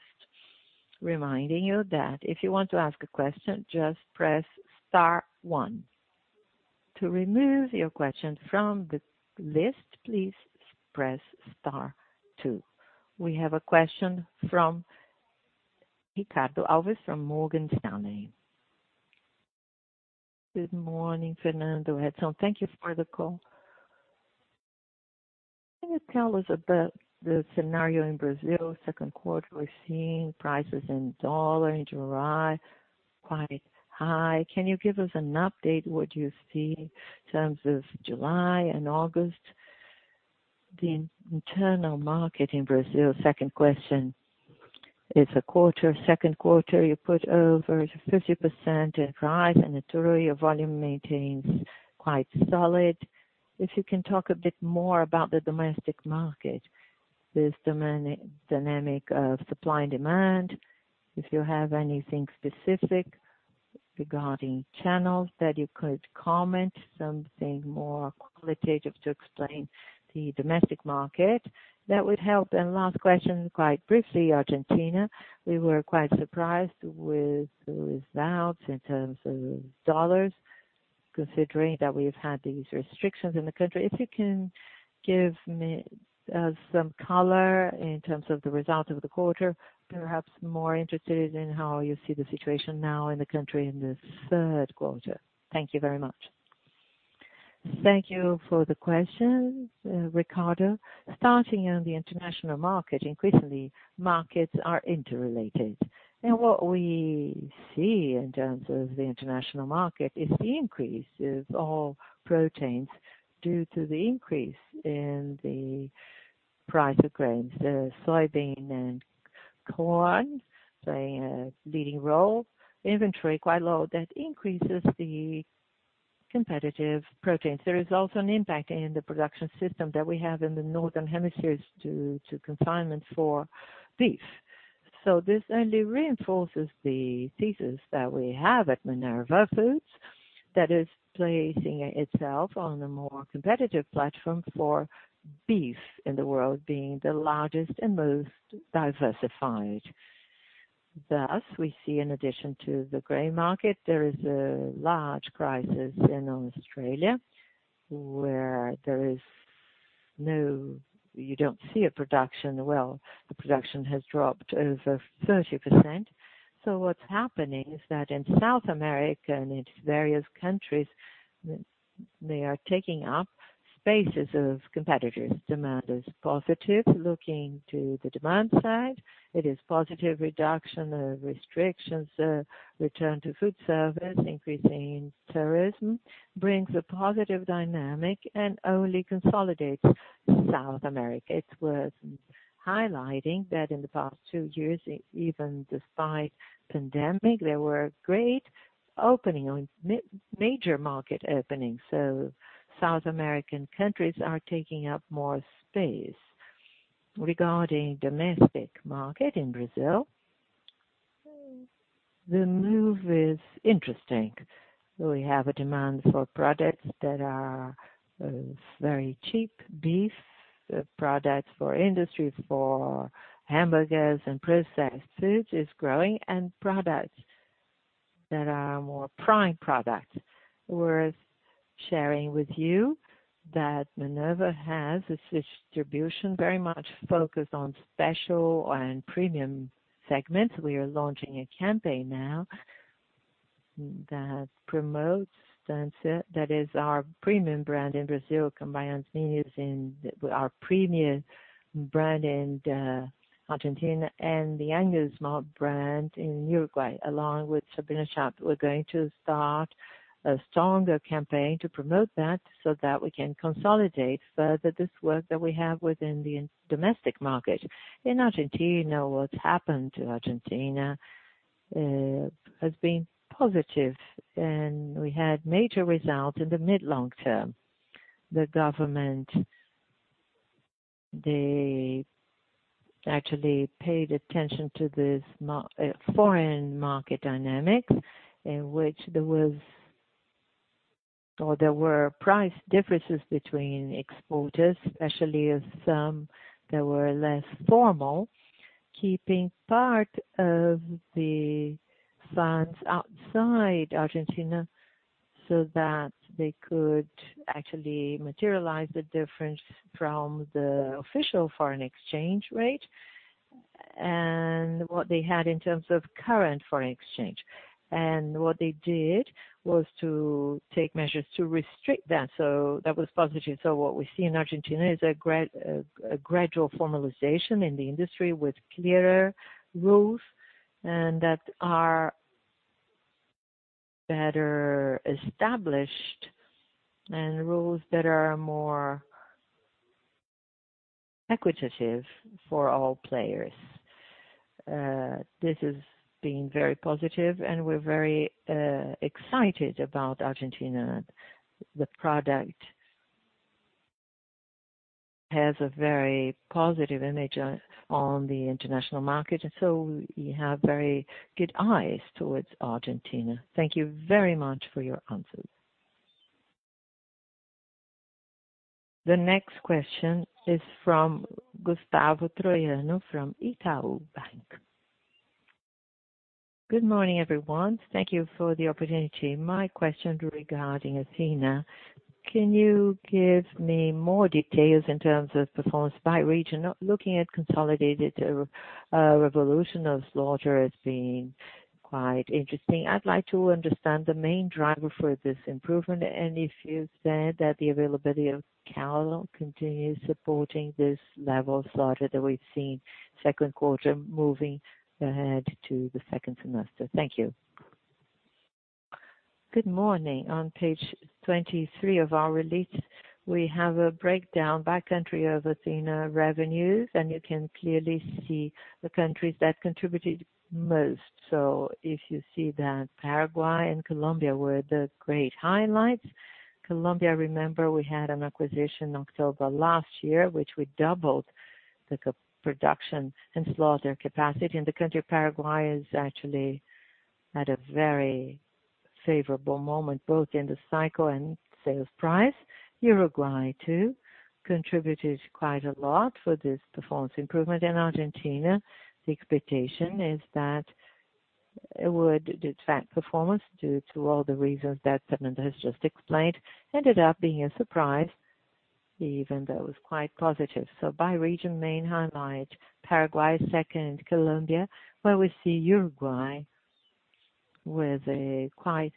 [SPEAKER 1] Reminding that if you want to ask a question just press star one. To remove your question from the list please press star two. We have a question from Ricardo Alves from Morgan Stanley.
[SPEAKER 5] Good morning, Fernando, Edison. Thank you for the call. Can you tell us about the scenario in Brazil, second quarter, we're seeing prices in US dollars in July quite high. Can you give us an update what you see in terms of July and August, the internal market in Brazil? Second question, it's a quarter, second quarter, you put over 50% in price and naturally your volume maintains quite solid. If you can talk a bit more about the domestic market, this dynamic of supply and demand, if you have anything specific regarding channels that you could comment, something more qualitative to explain the domestic market, that would help. Last question, quite briefly, Argentina. We were quite surprised with the results in terms of dollars, considering that we've had these restrictions in the country. If you can give me some color in terms of the result of the quarter, perhaps more interested in how you see the situation now in the country in this third quarter? Thank you very much.
[SPEAKER 2] Thank you for the questions, Ricardo. Starting on the international market, increasingly markets are interrelated. What we see in terms of the international market is the increase of all proteins due to the increase in the price of grains, soybean and corn playing a leading role. Inventory quite low. That increases the competitive proteins. There is also an impact in the production system that we have in the northern hemispheres due to confinement for beef. This only reinforces the thesis that we have at Minerva Foods that is placing itself on a more competitive platform for beef in the world, being the largest and most diversified. Thus, we see in addition to the grain market, there is a large crisis in Australia where you don't see a production. Well, the production has dropped over 30%. What's happening is that in South America and its various countries, they are taking up spaces of competitors. Demand is positive. Looking to the demand side, it is positive reduction of restrictions, return to food service, increasing tourism, brings a positive dynamic and only consolidates South America. It's worth highlighting that in the past two years, even despite pandemic, there were major market openings. South American countries are taking up more space. Regarding domestic market in Brazil, the move is interesting. We have a demand for products that are very cheap beef products for industries, for hamburgers and processed foods is growing and products that are more prime products. Worth sharing with you that Minerva has a distribution very much focused on special and premium segments. We are launching a campaign now that is our premium brand in Brazil, Cabaña Las Lilas, and our premium brand in Argentina and the Angus brand in Uruguay, along with Sabina Shop. We're going to start a stronger campaign to promote that so that we can consolidate further this work that we have within the domestic market. In Argentina, what's happened to Argentina has been positive, and we had major results in the mid-long term. The government, they actually paid attention to this foreign market dynamics in which there were price differences between exporters, especially as some that were less formal, keeping part of the funds outside Argentina so that they could actually materialize the difference from the official foreign exchange rate and what they had in terms of current foreign exchange. What they did was to take measures to restrict that. That was positive. What we see in Argentina is a gradual formalization in the industry with clearer rules and that are better established and rules that are more equitative for all players. This has been very positive and we're very excited about Argentina. The product has a very positive image on the international market, and so we have very good eyes towards Argentina.
[SPEAKER 5] Thank you very much for your answers.
[SPEAKER 1] The next question is from Gustavo Troyano from Itaú BBA.
[SPEAKER 6] Good morning, everyone. Thank you for the opportunity. My question regarding Athena. Can you give me more details in terms of performance by region? Looking at consolidated evolution of slaughter as being quite interesting. I'd like to understand the main driver for this improvement, and if you said that the availability of cattle continues supporting this level of slaughter that we've seen second quarter moving ahead to the second semester. Thank you.
[SPEAKER 4] Good morning. On page 23 of our release, we have a breakdown by country of Athena revenues, and you can clearly see the countries that contributed most. If you see that Paraguay and Colombia were the great highlights. Colombia, remember we had an acquisition October last year, which we doubled the production and slaughter capacity in the country. Paraguay is actually at a very favorable moment, both in the cycle and sales price. Uruguay too, contributed quite a lot for this performance improvement. In Argentina, the expectation is that it would detract performance due to all the reasons that Fernando has just explained, ended up being a surprise, even though it was quite positive. By region, main highlight, Paraguay. Second, Colombia, where we see Uruguay with a quite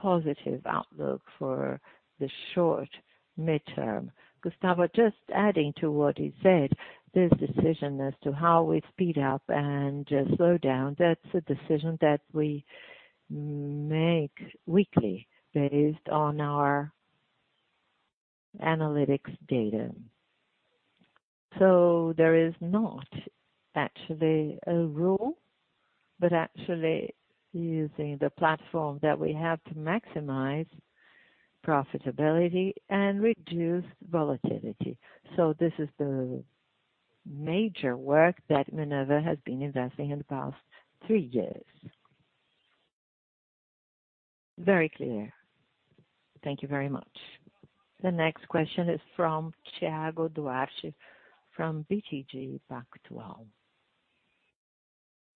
[SPEAKER 4] positive outlook for the short/midterm.
[SPEAKER 2] Gustavo, just adding to what he said, this decision as to how we speed up and slow down, that's a decision that we make weekly based on our analytics data. There is not actually a rule, but actually using the platform that we have to maximize profitability and reduce volatility. This is the major work that Minerva has been investing in the past three years.
[SPEAKER 6] Very clear. Thank you very much.
[SPEAKER 1] The next question is from Thiago Duarte from BTG Pactual.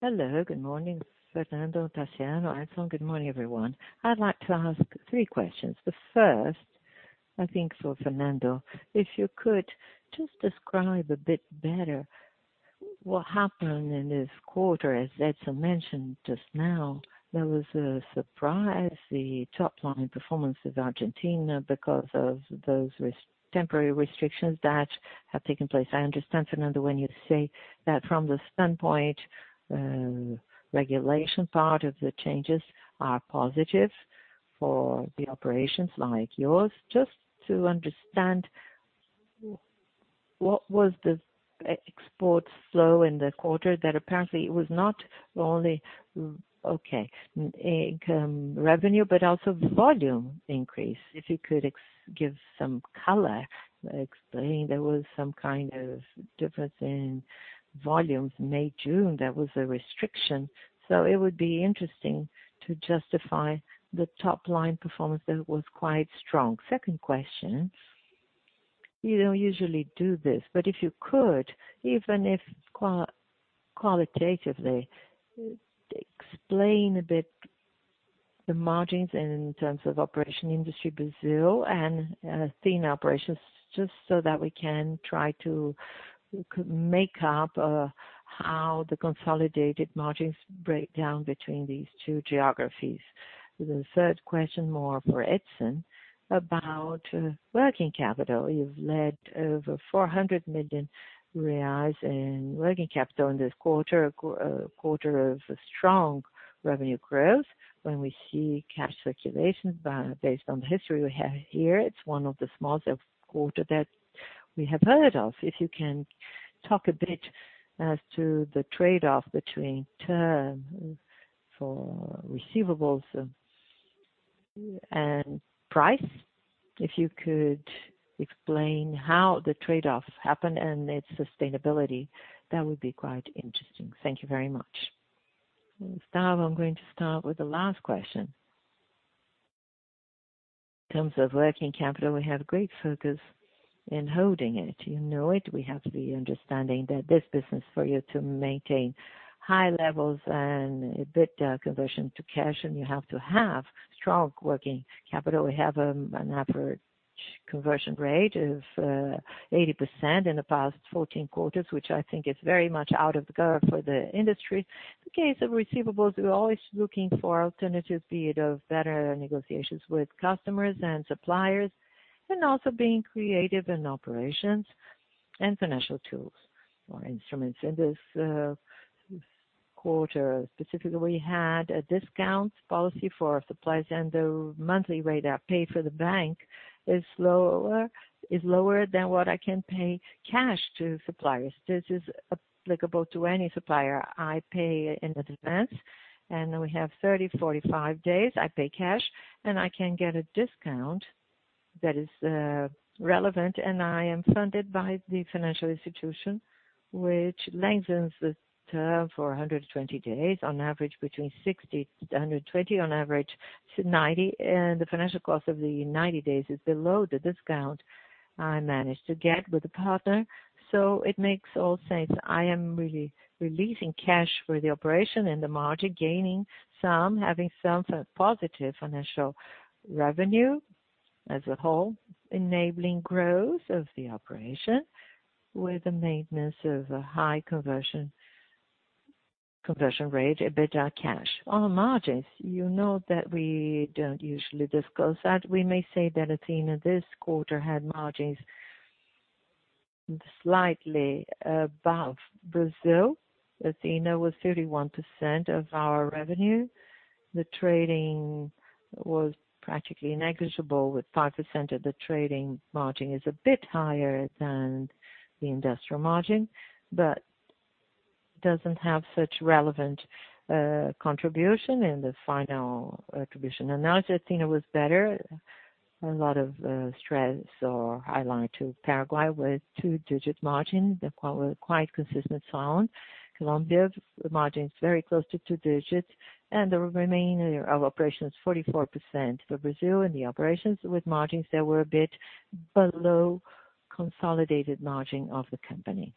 [SPEAKER 7] Hello. Good morning, Fernando, Taciano, Edison. Good morning, everyone. I'd like to ask three questions. The first, I think for Fernando. If you could just describe a bit better what happened in this quarter. As Edison mentioned just now, there was a surprise. The top line performance of Argentina because of those temporary restrictions that have taken place. I understand, Fernando, when you say that from the standpoint, regulation part of the changes are positive for the operations like yours. Just to understand what was the export flow in the quarter that apparently it was not only revenue, but also volume increase. If you could give some color explaining there was some kind of difference in volumes May, June, there was a restriction. It would be interesting to justify the top line performance that was quite strong. Second question. You don't usually do this, if you could, even if qualitatively explain a bit the margins in terms of operation in Brazil and Athena operations, just so that we can try to make up how the consolidated margins break down between these two geographies. The third question, more for Edison about working capital. You've led over 400 million reais in working capital in this quarter of strong revenue growth. When we see cash circulation based on the history we have here, it's one of the smallest quarter that we have heard of. If you can talk a bit as to the trade-off between term for receivables and price. If you could explain how the trade-offs happen and its sustainability, that would be quite interesting? Thank you very much.
[SPEAKER 4] Thiago, I'm going to start with the last question. In terms of working capital, we have great focus in holding it. You know it. We have to be understanding that this business for you to maintain high levels and EBITDA conversion to cash, and you have to have strong working capital. We have an average conversion rate of 80% in the past 14 quarters, which I think is very much out of the curve for the industry. In case of receivables, we're always looking for alternative, be it of better negotiations with customers and suppliers, and also being creative in operations. Financial tools or instruments. In this quarter specifically, we had a discount policy for suppliers, and the monthly rate I paid for the bank is lower than what I can pay cash to suppliers. This is applicable to any supplier. I pay in advance, and we have 30, 45 days. I pay cash, and I can get a discount that is relevant. I am funded by the financial institution, which lengthens the term for 120 days, on average, between 60-120. On average, it's 90. The financial cost of the 90 days is below the discount I managed to get with the partner. It makes all sense. I am really releasing cash for the operation and the margin, gaining some, having some positive financial revenue as a whole, enabling growth of the operation with the maintenance of a high conversion rate, EBITDA cash. On margins, you know that we don't usually discuss that. We may say that Argentina this quarter had margins slightly above Brazil. Argentina was 31% of our revenue. The trading was practically negligible, with 5% of the trading margin is a bit higher than the industrial margin, but doesn't have such relevant contribution in the final attribution. Now that Argentina was better, a lot of stress or highlight to Paraguay with two-digit margin, quite consistent, sound. Colombia's margin is very close to two digits and the remaining of operations, 44% for Brazil and the operations with margins that were a bit below consolidated margin of the company.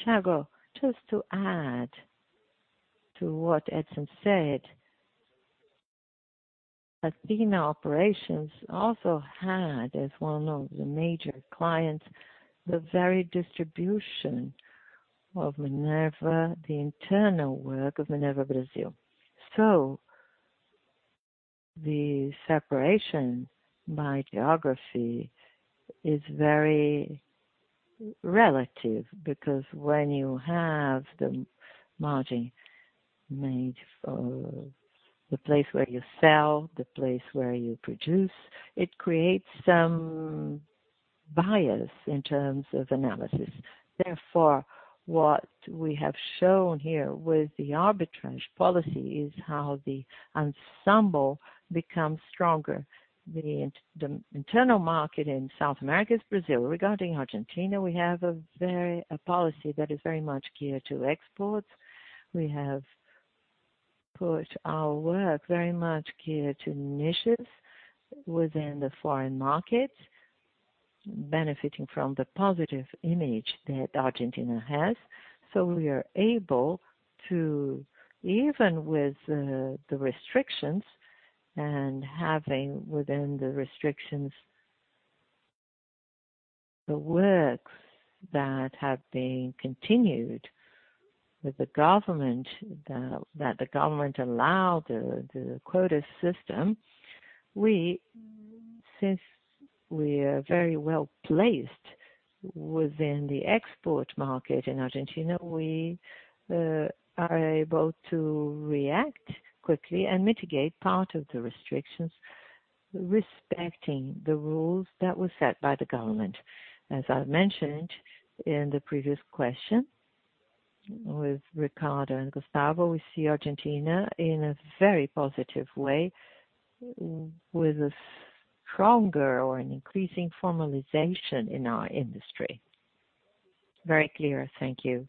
[SPEAKER 2] Thiago, just to add to what Edison said, Argentina operations also had, as one of the major clients, the very distribution of Minerva, the internal work of Minerva Brazil. The separation by geography is very relative because when you have the margin made for the place where you sell, the place where you produce, it creates some bias in terms of analysis. Therefore, what we have shown here with the arbitrage policy is how the ensemble becomes stronger. The internal market in South America is Brazil. Regarding Argentina, we have a policy that is very much geared to exports. We have put our work very much geared to niches within the foreign market, benefiting from the positive image that Argentina has. We are able to, even with the restrictions and having within the restrictions the works that have been continued with the government, that the government allowed the quota system. Since we are very well-placed within the export market in Argentina, we are able to react quickly and mitigate part of the restrictions, respecting the rules that were set by the government. As I mentioned in the previous question with Ricardo and Gustavo, we see Argentina in a very positive way with a stronger or an increasing formalization in our industry.
[SPEAKER 7] Very clear. Thank you.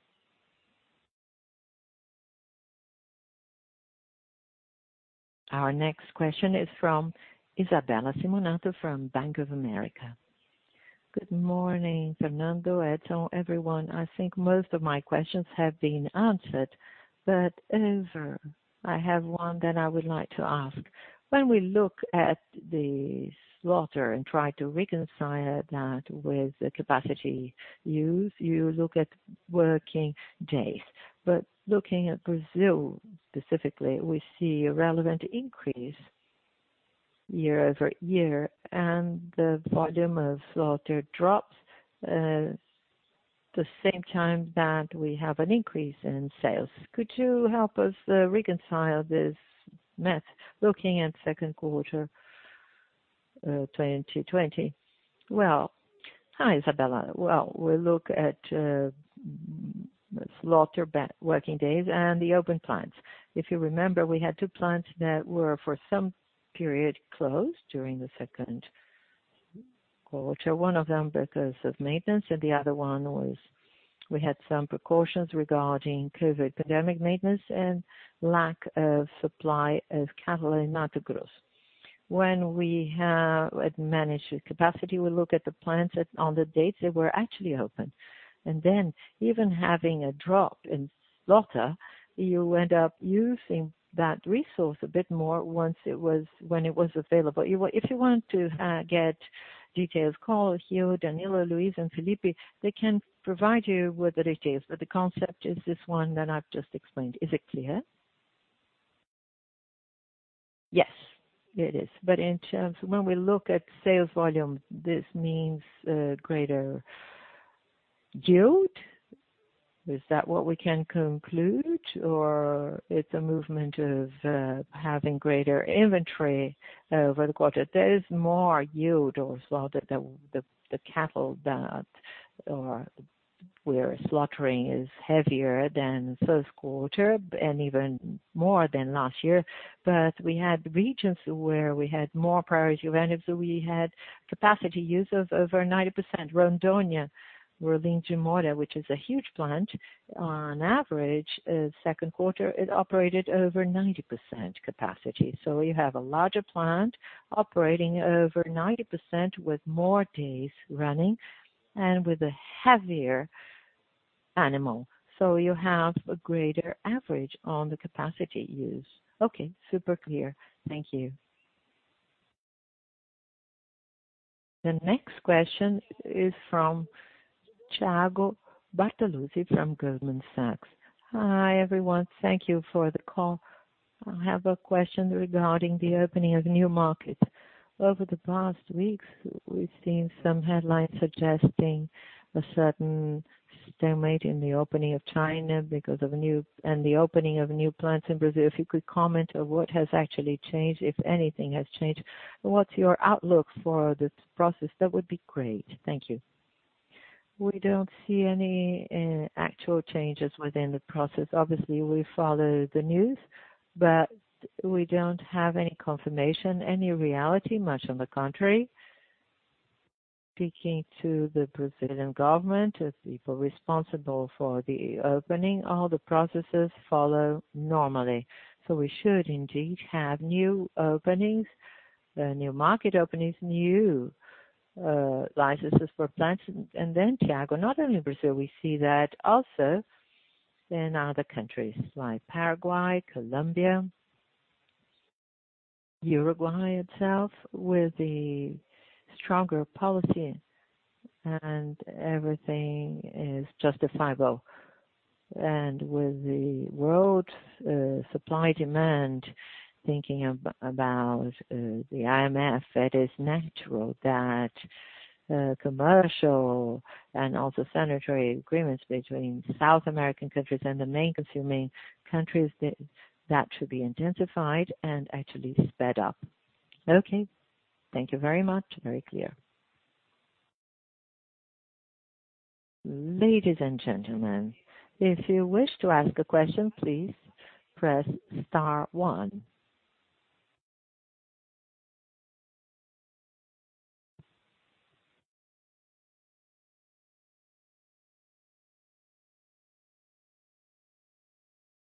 [SPEAKER 1] Our next question is from Isabella Simonato from Bank of America.
[SPEAKER 8] Good morning, Fernando, Edison, everyone. I think most of my questions have been answered, but ever I have one that I would like to ask. When we look at the slaughter and try to reconcile that with the capacity use, you look at working days but looking at Brazil specifically, we see a relevant increase year-over-year and the volume of slaughter drops the same time that we have an increase in sales. Could you help us reconcile this math looking at second quarter 2020?
[SPEAKER 4] Well, hi, Isabella. Well, we look at slaughter working days and the open plants. If you remember, we had two plants that were for some period closed during the second quarter. One of them because of maintenance, and the other one was we had some precautions regarding COVID pandemic maintenance and lack of supply of cattle in Mato Grosso. When we have managed capacity, we look at the plants on the dates they were actually open. Even having a drop in slaughter, you end up using that resource a bit more when it was available. If you want to get details, call Rio, Danilo, Luis, and Felipe. They can provide you with the details. The concept is this one that I've just explained. Is it clear?
[SPEAKER 8] Yes, it is. In terms when we look at sales volume, this means greater yield. Is that what we can conclude? Or it's a movement of having greater inventory over the quarter?
[SPEAKER 4] There is more yield as well. The cattle that we are slaughtering is heavier than first quarter and even more than last year. We had regions where we had more priority events. We had capacity use of over 90%. Rondônia, where Linha D'Água, which is a huge plant, on average, second quarter, it operated over 90% capacity. You have a larger plant operating over 90% with more days running and with a heavier animal. You have a greater average on the capacity use.
[SPEAKER 8] Okay. Super clear. Thank you.
[SPEAKER 1] The next question is from Thiago Bortoluci from Goldman Sachs.
[SPEAKER 9] Hi, everyone. Thank you for the call. I have a question regarding the opening of new markets. Over the past weeks, we've seen some headlines suggesting a certain stalemate in the opening of China and the opening of new plants in Brazil. If you could comment on what has actually changed, if anything has changed, and what's your outlook for this process, that would be great? Thank you.
[SPEAKER 2] We don't see any actual changes within the process. Obviously, we follow the news, we don't have any confirmation, any reality, much on the contrary. Speaking to the Brazilian government, the people responsible for the opening, all the processes follow normally. We should indeed have new openings, new market openings, new licenses for plants. Thiago, not only in Brazil, we see that also in other countries like Paraguay, Colombia, Uruguay itself, with a stronger policy and everything is justifiable. With the world supply-demand, thinking about the IMF, it is natural that commercial and also sanitary agreements between South American countries and the main consuming countries, that should be intensified and actually sped up.
[SPEAKER 9] Okay. Thank you very much. Very clear.
[SPEAKER 1] Ladies and gentlemen, if you wish to ask a question, please press star one.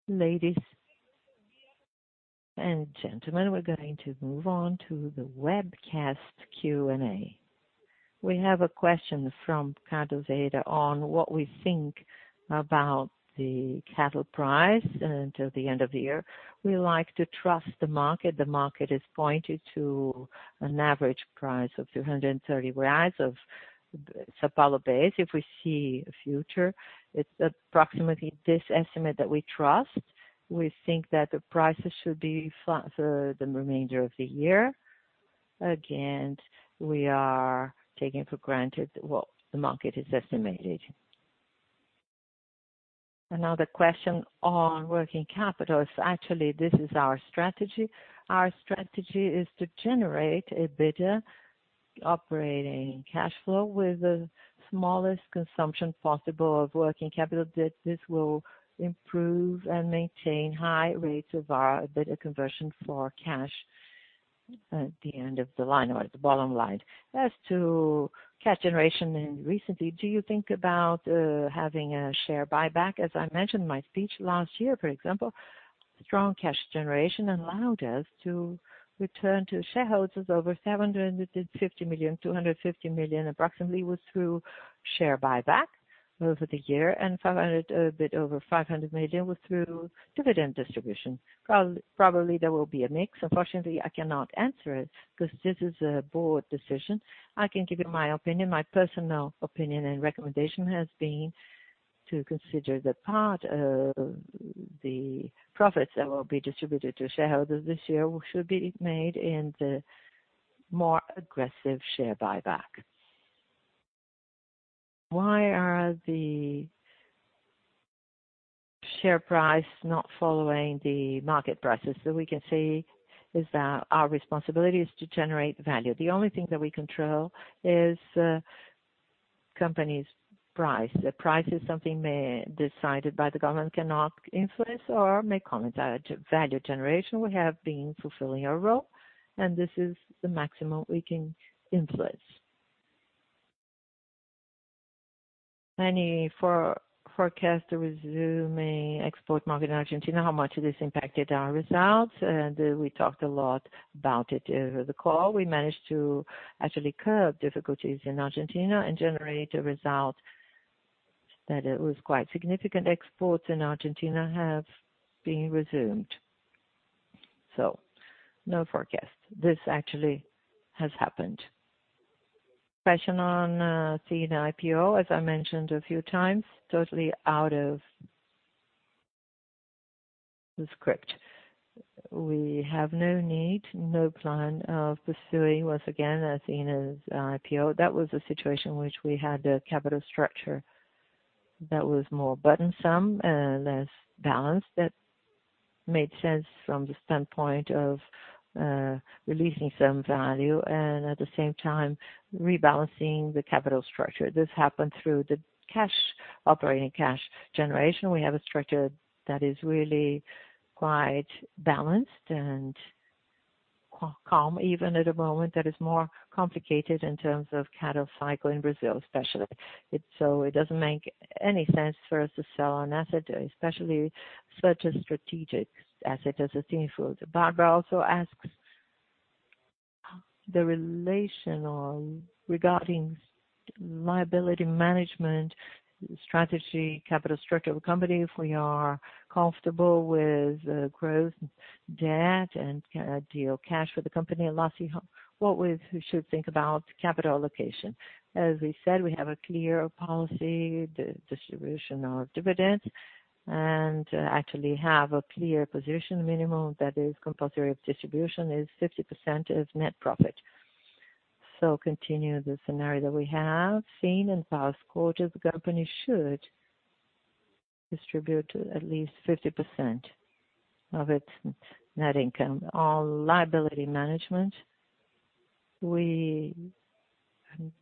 [SPEAKER 1] Ladies and gentlemen, we're going to move on to the webcast Q&A. We have a question from [Cardozedo] on what we think about the cattle price until the end of the year.
[SPEAKER 4] We like to trust the market. The market is pointed to an average price of 230 reais of São Paulo base. If we see a future, it's approximately this estimate that we trust. We think that the prices should be flat for the remainder of the year. We are taking for granted what the market has estimated. Another question on working capital is actually this is our strategy. Our strategy is to generate EBITDA operating cash flow with the smallest consumption possible of working capital debts. This will improve and maintain high rates of our EBITDA conversion for cash at the end of the line or the bottom line. As to cash generation and recently, do you think about having a share buyback? As I mentioned in my speech last year, for example, strong cash generation allowed us to return to shareholders over $750 million, $250 million approximately was through share buyback over the year, and a bit over $500 million was through dividend distribution. Probably there will be a mix. Unfortunately, I cannot answer it because this is a board decision. I can give you my opinion. My personal opinion and recommendation has been to consider the part of the profits that will be distributed to shareholders this year should be made in the more aggressive share buyback. Why are the share price not following the market prices? We can say is that our responsibility is to generate value. The only thing that we control is company's price. The price is something decided by the government, cannot influence or make comments. Value generation, we have been fulfilling our role, and this is the maximum we can influence. Any forecast to resume export market in Argentina, how much this impacted our results? We talked a lot about it over the call. We managed to actually curb difficulties in Argentina and generate a result that it was quite significant. Exports in Argentina have been resumed. No forecast. This actually has happened. Question on Athena IPO, as I mentioned a few times, totally out of the script. We have no need, no plan of pursuing, once again, Athena's IPO. That was a situation in which we had a capital structure that was more burdensome and less balanced. That made sense from the standpoint of releasing some value and at the same time rebalancing the capital structure. This happened through the operating cash generation. We have a structure that is really quite balanced and calm, even at a moment that is more complicated in terms of cattle cycle in Brazil, especially. It doesn't make any sense for us to sell an asset, especially such a strategic asset as Athena Foods.
[SPEAKER 1] Barbara also asks the relation regarding liability management strategy, capital structure of the company. If we are comfortable with growth in debt and ideal cash for the company in loss, what we should think about capital allocation?
[SPEAKER 4] As we said, we have a clear policy, the distribution of dividends, and actually have a clear position minimum that is compulsory. Distribution is 50% of net profit. Continue the scenario that we have seen in past quarters. The company should distribute at least 50% of its net income. On liability management, we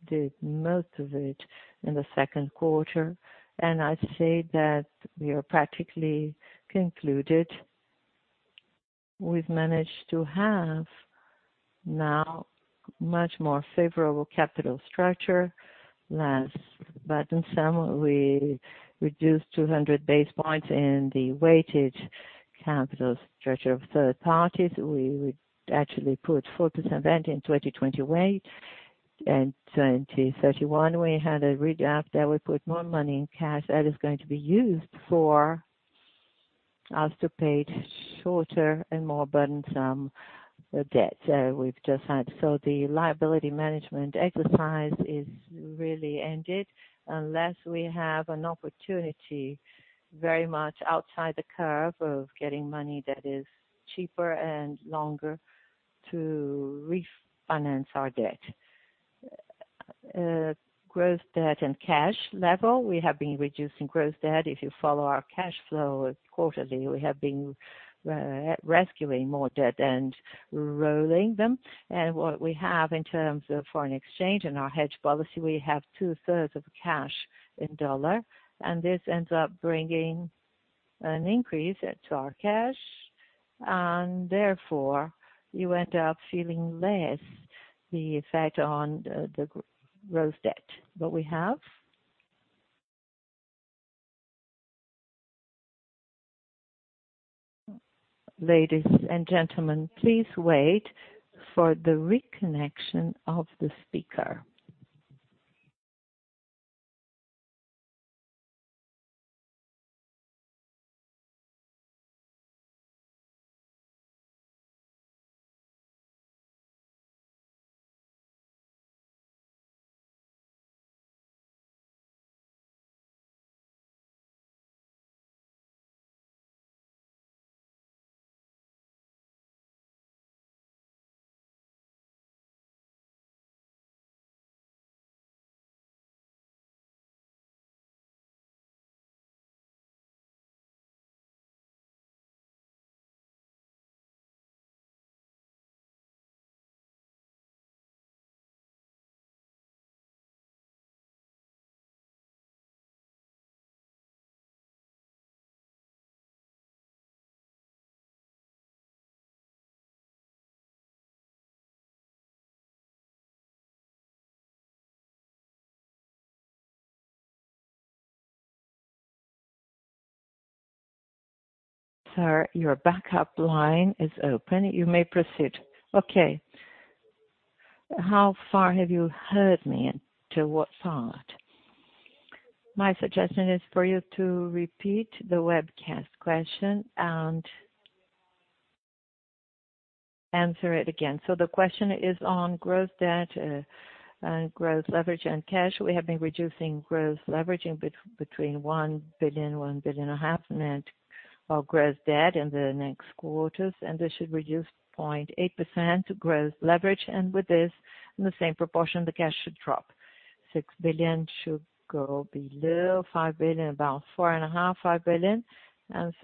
[SPEAKER 4] did most of it in the second quarter, and I'd say that we are practically concluded. We've managed to have now much more favorable capital structure, less burdensome. We reduced 200 basis points in the weighted capital structure of third parties. We actually put 4% in 2020 weight. In 2031, we had a retap that we put more money in cash that is going to be used for us to pay shorter and more burdensome debt we've just had. The liability management exercise is really ended unless we have an opportunity very much outside the curve of getting money that is cheaper and longer to refinance our debt. Gross debt and cash level, we have been reducing gross debt. If you follow our cash flow quarterly, we have been rescuing more debt and rolling them. What we have in terms of foreign exchange and our hedge policy, we have 2/3 of cash in dollars, and this ends up bringing an increase to our cash, and therefore you end up feeling less the effect on the gross debt that we have. Okay. How far have you heard me? To what part?
[SPEAKER 1] My suggestion is for you to repeat the webcast question and answer it again.
[SPEAKER 4] The question is on gross debt and gross leverage and cash. We have been reducing gross leverage between 1 billion, 1.5 billion net of gross debt in the next quarters. This should reduce 0.8% gross leverage. With this, in the same proportion, the cash should drop. 6 billion should go below 5 billion, about 4.5 billion, 5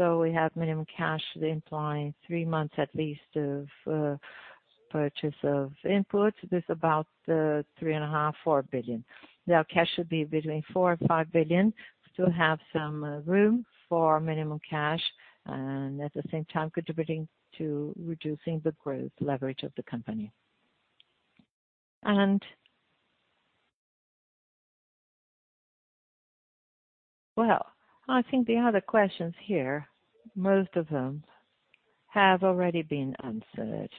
[SPEAKER 4] billion. We have minimum cash implying three months at least of purchase of inputs. This is about 3.5 billion, 4 billion. Now cash should be between 4 billion and 5 billion. We still have some room for minimum cash and at the same time contributing to reducing the gross leverage of the company.
[SPEAKER 1] Well, I think the other questions here, most of them have already been answered.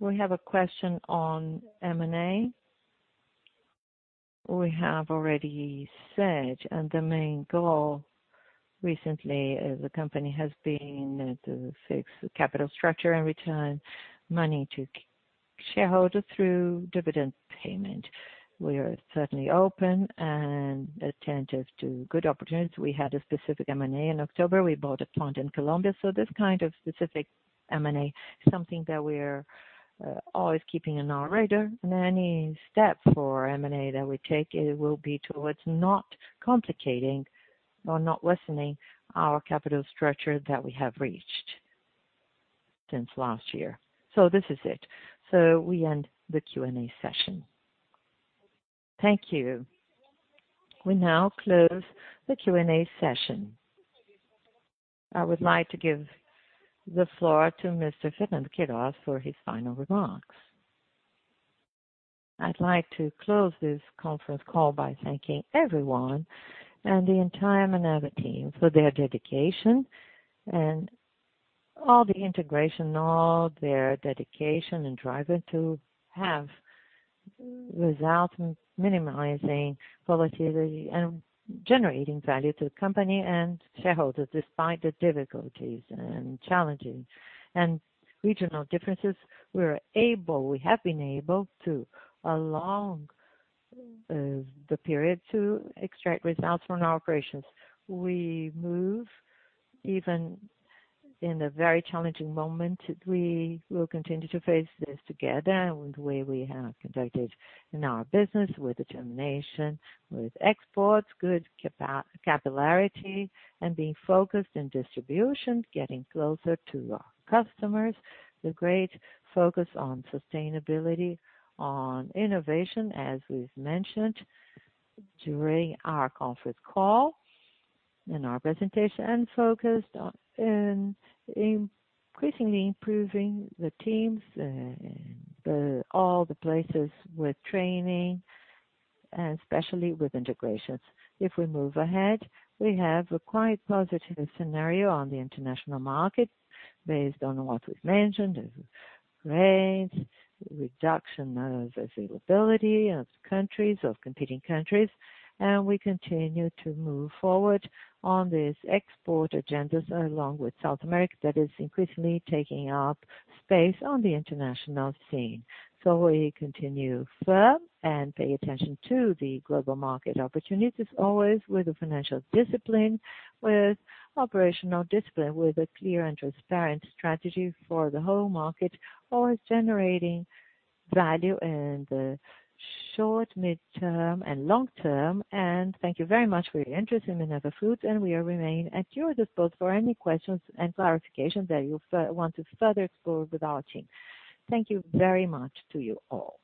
[SPEAKER 1] We have a question on M&A.
[SPEAKER 4] We have already said, the main goal recently the company has been to fix the capital structure and return money to shareholders through dividend payment. We are certainly open and attentive to good opportunities. We had a specific M&A in October. We bought a plant in Colombia. This kind of specific M&A is something that we're always keeping in our radar. Any step for M&A that we take, it will be towards not complicating or not lessening our capital structure that we have reached since last year. This is it. We end the Q&A session.
[SPEAKER 1] Thank you. We now close the Q&A session. I would like to give the floor to Mr. Fernando Queiroz for his final remarks.
[SPEAKER 2] I'd like to close this conference call by thanking everyone and the entire Minerva team for their dedication and all the integration and driving to have results and minimizing volatility and generating value to the company and shareholders. Despite the difficulties and challenges and regional differences, we have been able to, along the period, to extract results from our operations. We move even in a very challenging moment. We will continue to face this together in the way we have conducted in our business, with determination, with exports, good capillarity, and being focused in distribution, getting closer to our customers, the great focus on sustainability, on innovation, as we've mentioned during our conference call in our presentation, and focused on increasingly improving the teams in all the places with training and especially with integrations. If we move ahead, we have a quite positive scenario on the international market based on what we've mentioned, the rates, reduction of availability of competing countries. We continue to move forward on these export agendas along with South America that is increasingly taking up space on the international scene. We continue firm and pay attention to the global market opportunities as always with the financial discipline, with operational discipline, with a clear and transparent strategy for the whole market, always generating value in the short, midterm, and long term. Thank you very much for your interest in Minerva Foods, and we remain at your disposal for any questions and clarifications that you want to further explore with our team. Thank you very much to you all.